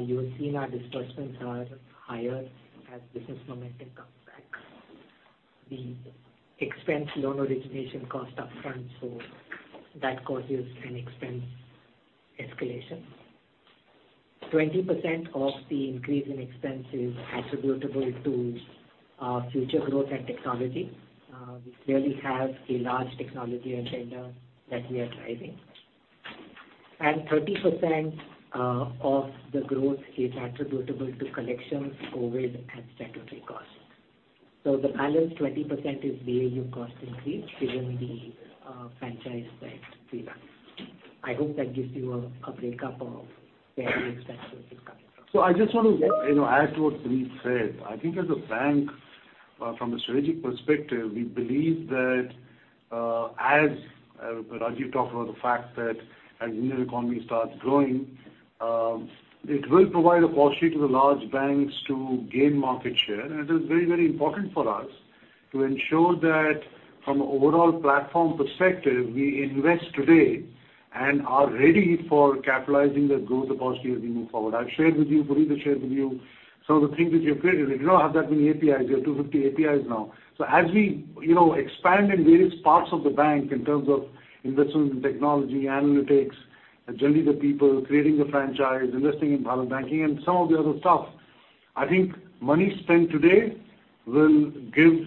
You've seen our disbursements are higher as business momentum comes back. Loan origination costs are expensed upfront, so that causes an expense escalation. 20% of the increase in expense is attributable to future growth and technology. We clearly have a large technology agenda that we are driving. 30% of the growth is attributable to collections, COVID, and statutory costs. The balance 20% is BAU cost increase given the franchise that we run. I hope that gives you a breakup of where the expense growth is coming from. I just want to, you know, add to what Puneet said. I think as a bank From a strategic perspective, we believe that, as Rajiv talked about the fact that as Indian economy starts growing, it will provide a position to the large banks to gain market share. It is very, very important for us to ensure that from an overall platform perspective, we invest today and are ready for capitalizing the growth across years as we move forward. I've shared with you, Puneet has shared with you some of the things that we have created. We did not have that many APIs. We have 250 APIs now. As we, you know, expand in various parts of the bank in terms of investment in technology, analytics, and generally the people, creating the franchise, investing in private banking and some of the other stuff, I think money spent today will give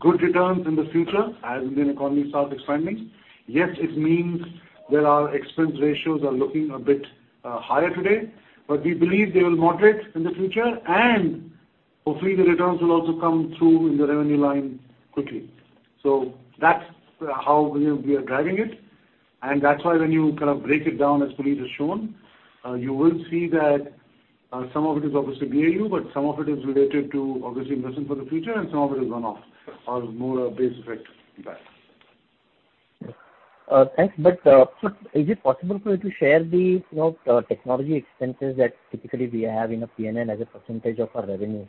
good returns in the future as Indian economy starts expanding. Yes, it means that our expense ratios are looking a bit higher today, but we believe they will moderate in the future, and hopefully the returns will also come through in the revenue line quickly. That's how we are driving it, and that's why when you kind of break it down, as Puneet has shown, you will see that some of it is obviously AUM, but some of it is related to obviously investing for the future and some of it is one-off or more a base effect than that. Thanks. Is it possible for you to share the, you know, technology expenses that typically we have in a PNL as a percentage of our revenue?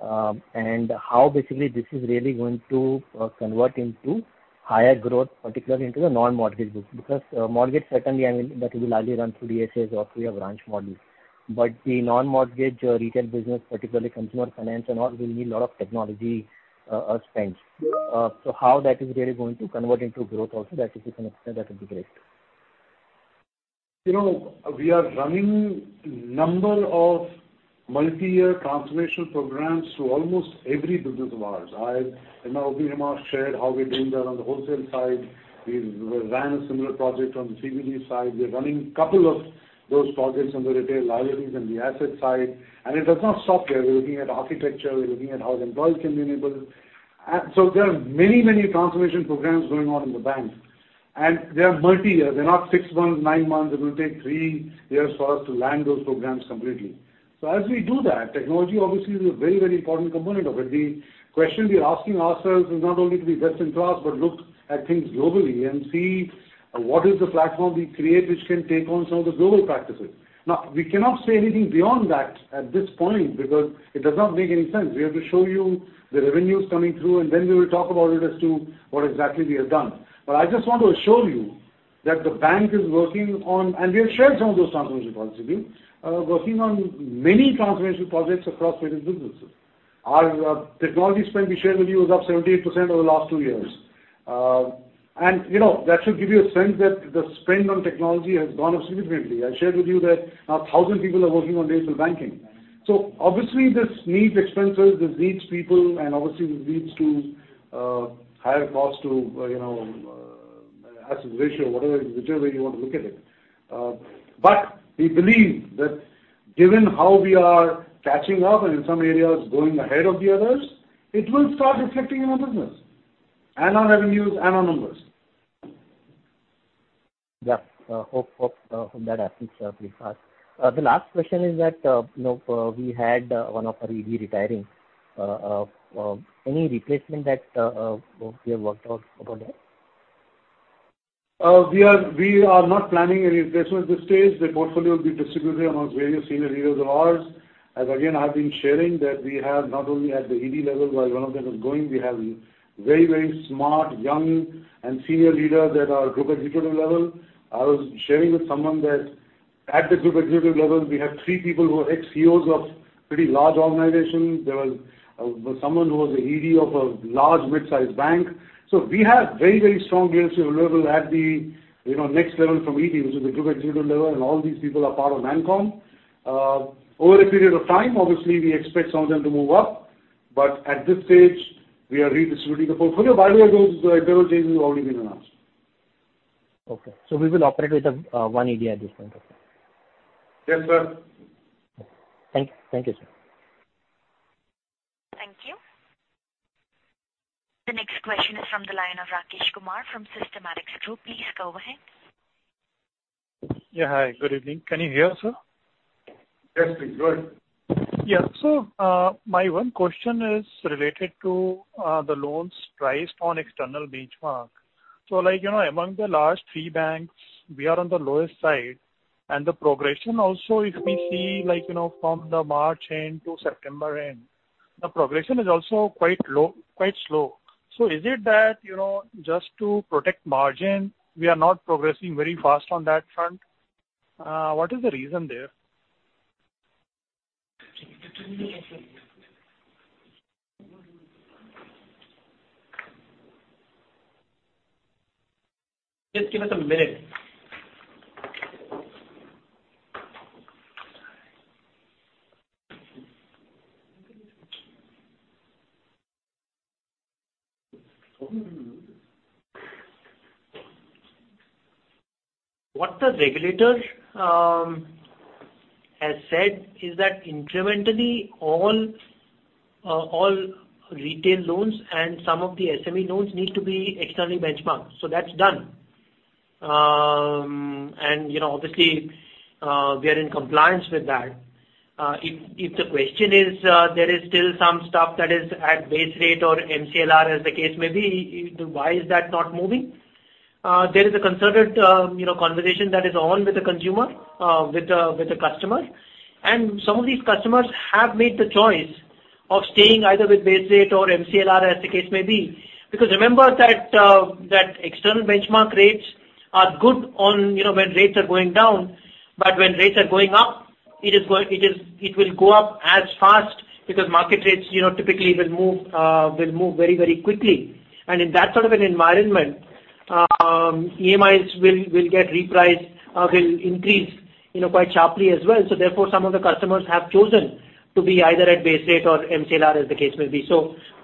How basically this is really going to convert into higher growth, particularly into the non-mortgage group. Because, mortgage certainly, I mean, that will largely run through DSAs or through your branch model. The non-mortgage retail business, particularly consumer finance and all, will need a lot of technology spends. How that is really going to convert into growth also that is the concern, that would be great. You know, we are running a number of multi-year transformation programs through almost every business of ours. I, you know, Rajiv Anand, Hemant shared how we're doing that on the wholesale side. We ran a similar project on the CBG side. We are running a couple of those projects on the retail liabilities and the asset side, and it does not stop there. We're looking at architecture. We're looking at how the employees can be enabled. So there are many, many transformation programs going on in the bank, and they are multi-year. They're not six months, nine months. It will take three years for us to land those programs completely. As we do that, technology obviously is a very, very important component of it. The question we are asking ourselves is not only to be best in class, but look at things globally and see what is the platform we create which can take on some of the global practices. Now, we cannot say anything beyond that at this point because it does not make any sense. We have to show you the revenues coming through, and then we will talk about it as to what exactly we have done. I just want to assure you that the bank is working on, and we have shared some of those transformation projects with you, working on many transformation projects across various businesses. Our technology spend we shared with you is up 17% over the last two years. You know, that should give you a sense that the spend on technology has gone up significantly. I shared with you that now 1,000 people are working on digital banking. Obviously this needs expenses, this needs people, and obviously this leads to higher cost to you know asset ratio, whatever, whichever way you want to look at it. We believe that given how we are catching up and in some areas going ahead of the others, it will start reflecting in our business and our revenues and our numbers. Yeah. Hope that happens pretty fast. The last question is that, you know, we had one of our ED retiring. Any replacement that we have worked out about that? We are not planning any replacement at this stage. The portfolio will be distributed among various senior leaders of ours. As again, I've been sharing that we have not only at the ED level, while one of them is going, we have very, very smart young and senior leaders that are group executive level. I was sharing with someone that at the group executive level, we have three people who are ex-CEOs of pretty large organizations. There was someone who was a ED of a large mid-sized bank. We have very, very strong leadership level at the, you know, next level from ED, which is the group executive level, and all these people are part of ManCom. Over a period of time, obviously we expect some of them to move up, but at this stage we are redistributing the portfolio. By the way, those internal changes have already been announced. Okay. We will operate with one ED at this point. Okay. Yes, sir. Thank you, sir. Thank you. The next question is from the line of Rakesh Kumar from Systematix Group. Please go ahead. Yeah. Hi, good evening. Can you hear us, sir? Yes, please go ahead. My one question is related to the loans priced on external benchmark. Like, you know, among the large three banks, we are on the lowest side, and the progression also if we see like, you know, from the March end to September end, the progression is also quite low, quite slow. Is it that, you know, just to protect margin, we are not progressing very fast on that front? What is the reason there? Just give us a minute. What the regulator has said is that incrementally all retail loans and some of the SME loans need to be externally benchmarked. That's done. You know, obviously, we are in compliance with that. If the question is, there is still some stuff that is at base rate or MCLR as the case may be, why is that not moving? There is a concerted, you know, conversation that is on with the consumer, with the customer. Some of these customers have made the choice of staying either with base rate or MCLR as the case may be. Because remember that external benchmark rates are good on, you know, when rates are going down, but when rates are going up, it will go up as fast because market rates, you know, typically will move very, very quickly. In that sort of an environment, EMIs will get repriced, will increase, you know, quite sharply as well. Therefore, some of the customers have chosen to be either at base rate or MCLR as the case may be.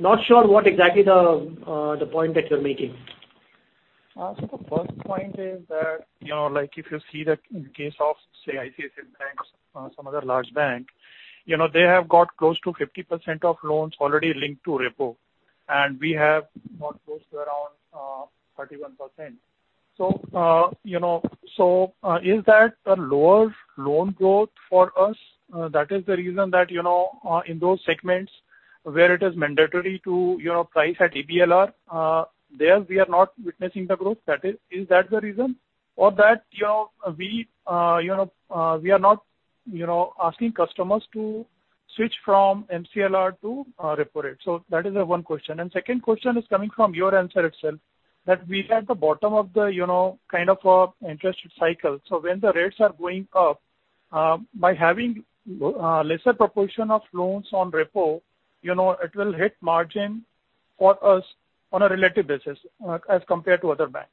Not sure what exactly the point that you're making. The first point is that, you know, like if you see the case of, say, ICICI Bank or some other large bank, you know, they have got close to 50% of loans already linked to repo, and we have got close to around 31%. Is that a lower loan growth for us? That is the reason that, you know, in those segments where it is mandatory to, you know, price at EBLR, there we are not witnessing the growth. Is that the reason? Or that, you know, we are not, you know, asking customers to switch from MCLR to repo rate. That is one question. Second question is coming from your answer itself, that we are at the bottom of the you know kind of an interest cycle. When the rates are going up, by having lesser proportion of loans on repo, you know, it will hit margin for us on a relative basis, as compared to other bank.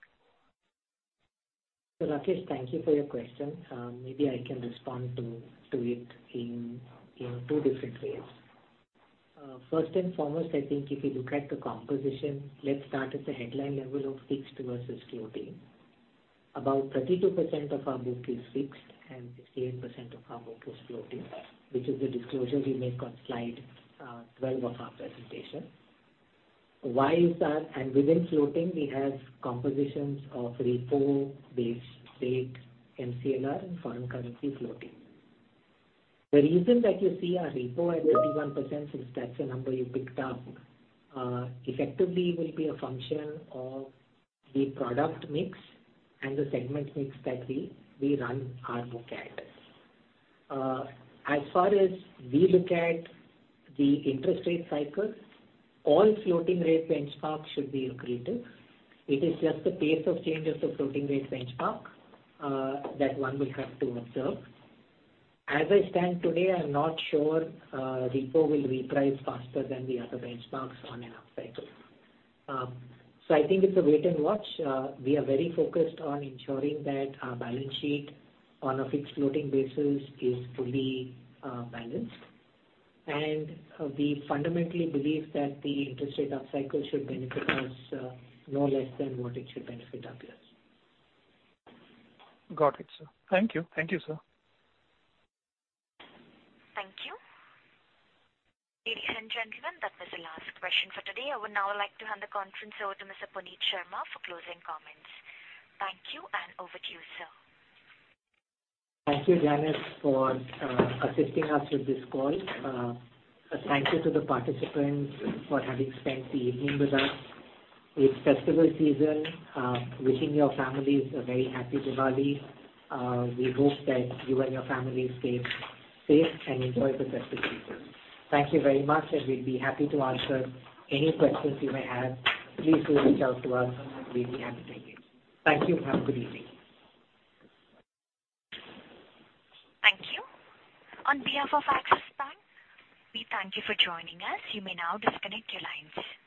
Rakesh, thank you for your question. Maybe I can respond to it in two different ways. First and foremost, I think if you look at the composition, let's start at the headline level of fixed versus floating. About 32% of our book is fixed and 68% of our book is floating, which is the disclosure we make on slide 12 of our presentation. Why is that? Within floating we have compositions of repo, base rate, MCLR and foreign currency floating. The reason that you see our repo at 31%, since that's the number you picked up, effectively will be a function of the product mix and the segment mix that we run our book at. As far as we look at the interest rate cycle, all floating rate benchmarks should be accretive. It is just the pace of changes of floating rate benchmark that one will have to observe. As I stand today, I'm not sure repo will reprice faster than the other benchmarks on an up cycle. I think it's a wait and watch. We are very focused on ensuring that our balance sheet on a fixed floating basis is fully balanced. We fundamentally believe that the interest rate up cycle should benefit us no less than what it should benefit others. Got it, sir. Thank you. Thank you, sir. Thank you. Ladies and gentlemen, that was the last question for today. I would now like to hand the conference over to Mr. Puneet Sharma for closing comments. Thank you and over to you, sir. Thank you, Janice, for assisting us with this call. A thank you to the participants for having spent the evening with us. It's festival season. Wishing your families a very happy Diwali. We hope that you and your families stay safe and enjoy the festival season. Thank you very much, and we'll be happy to answer any questions you may have. Please do reach out to us and we'll be happy to take it. Thank you. Have a good evening. Thank you. On behalf of Axis Bank, we thank you for joining us. You may now disconnect your lines.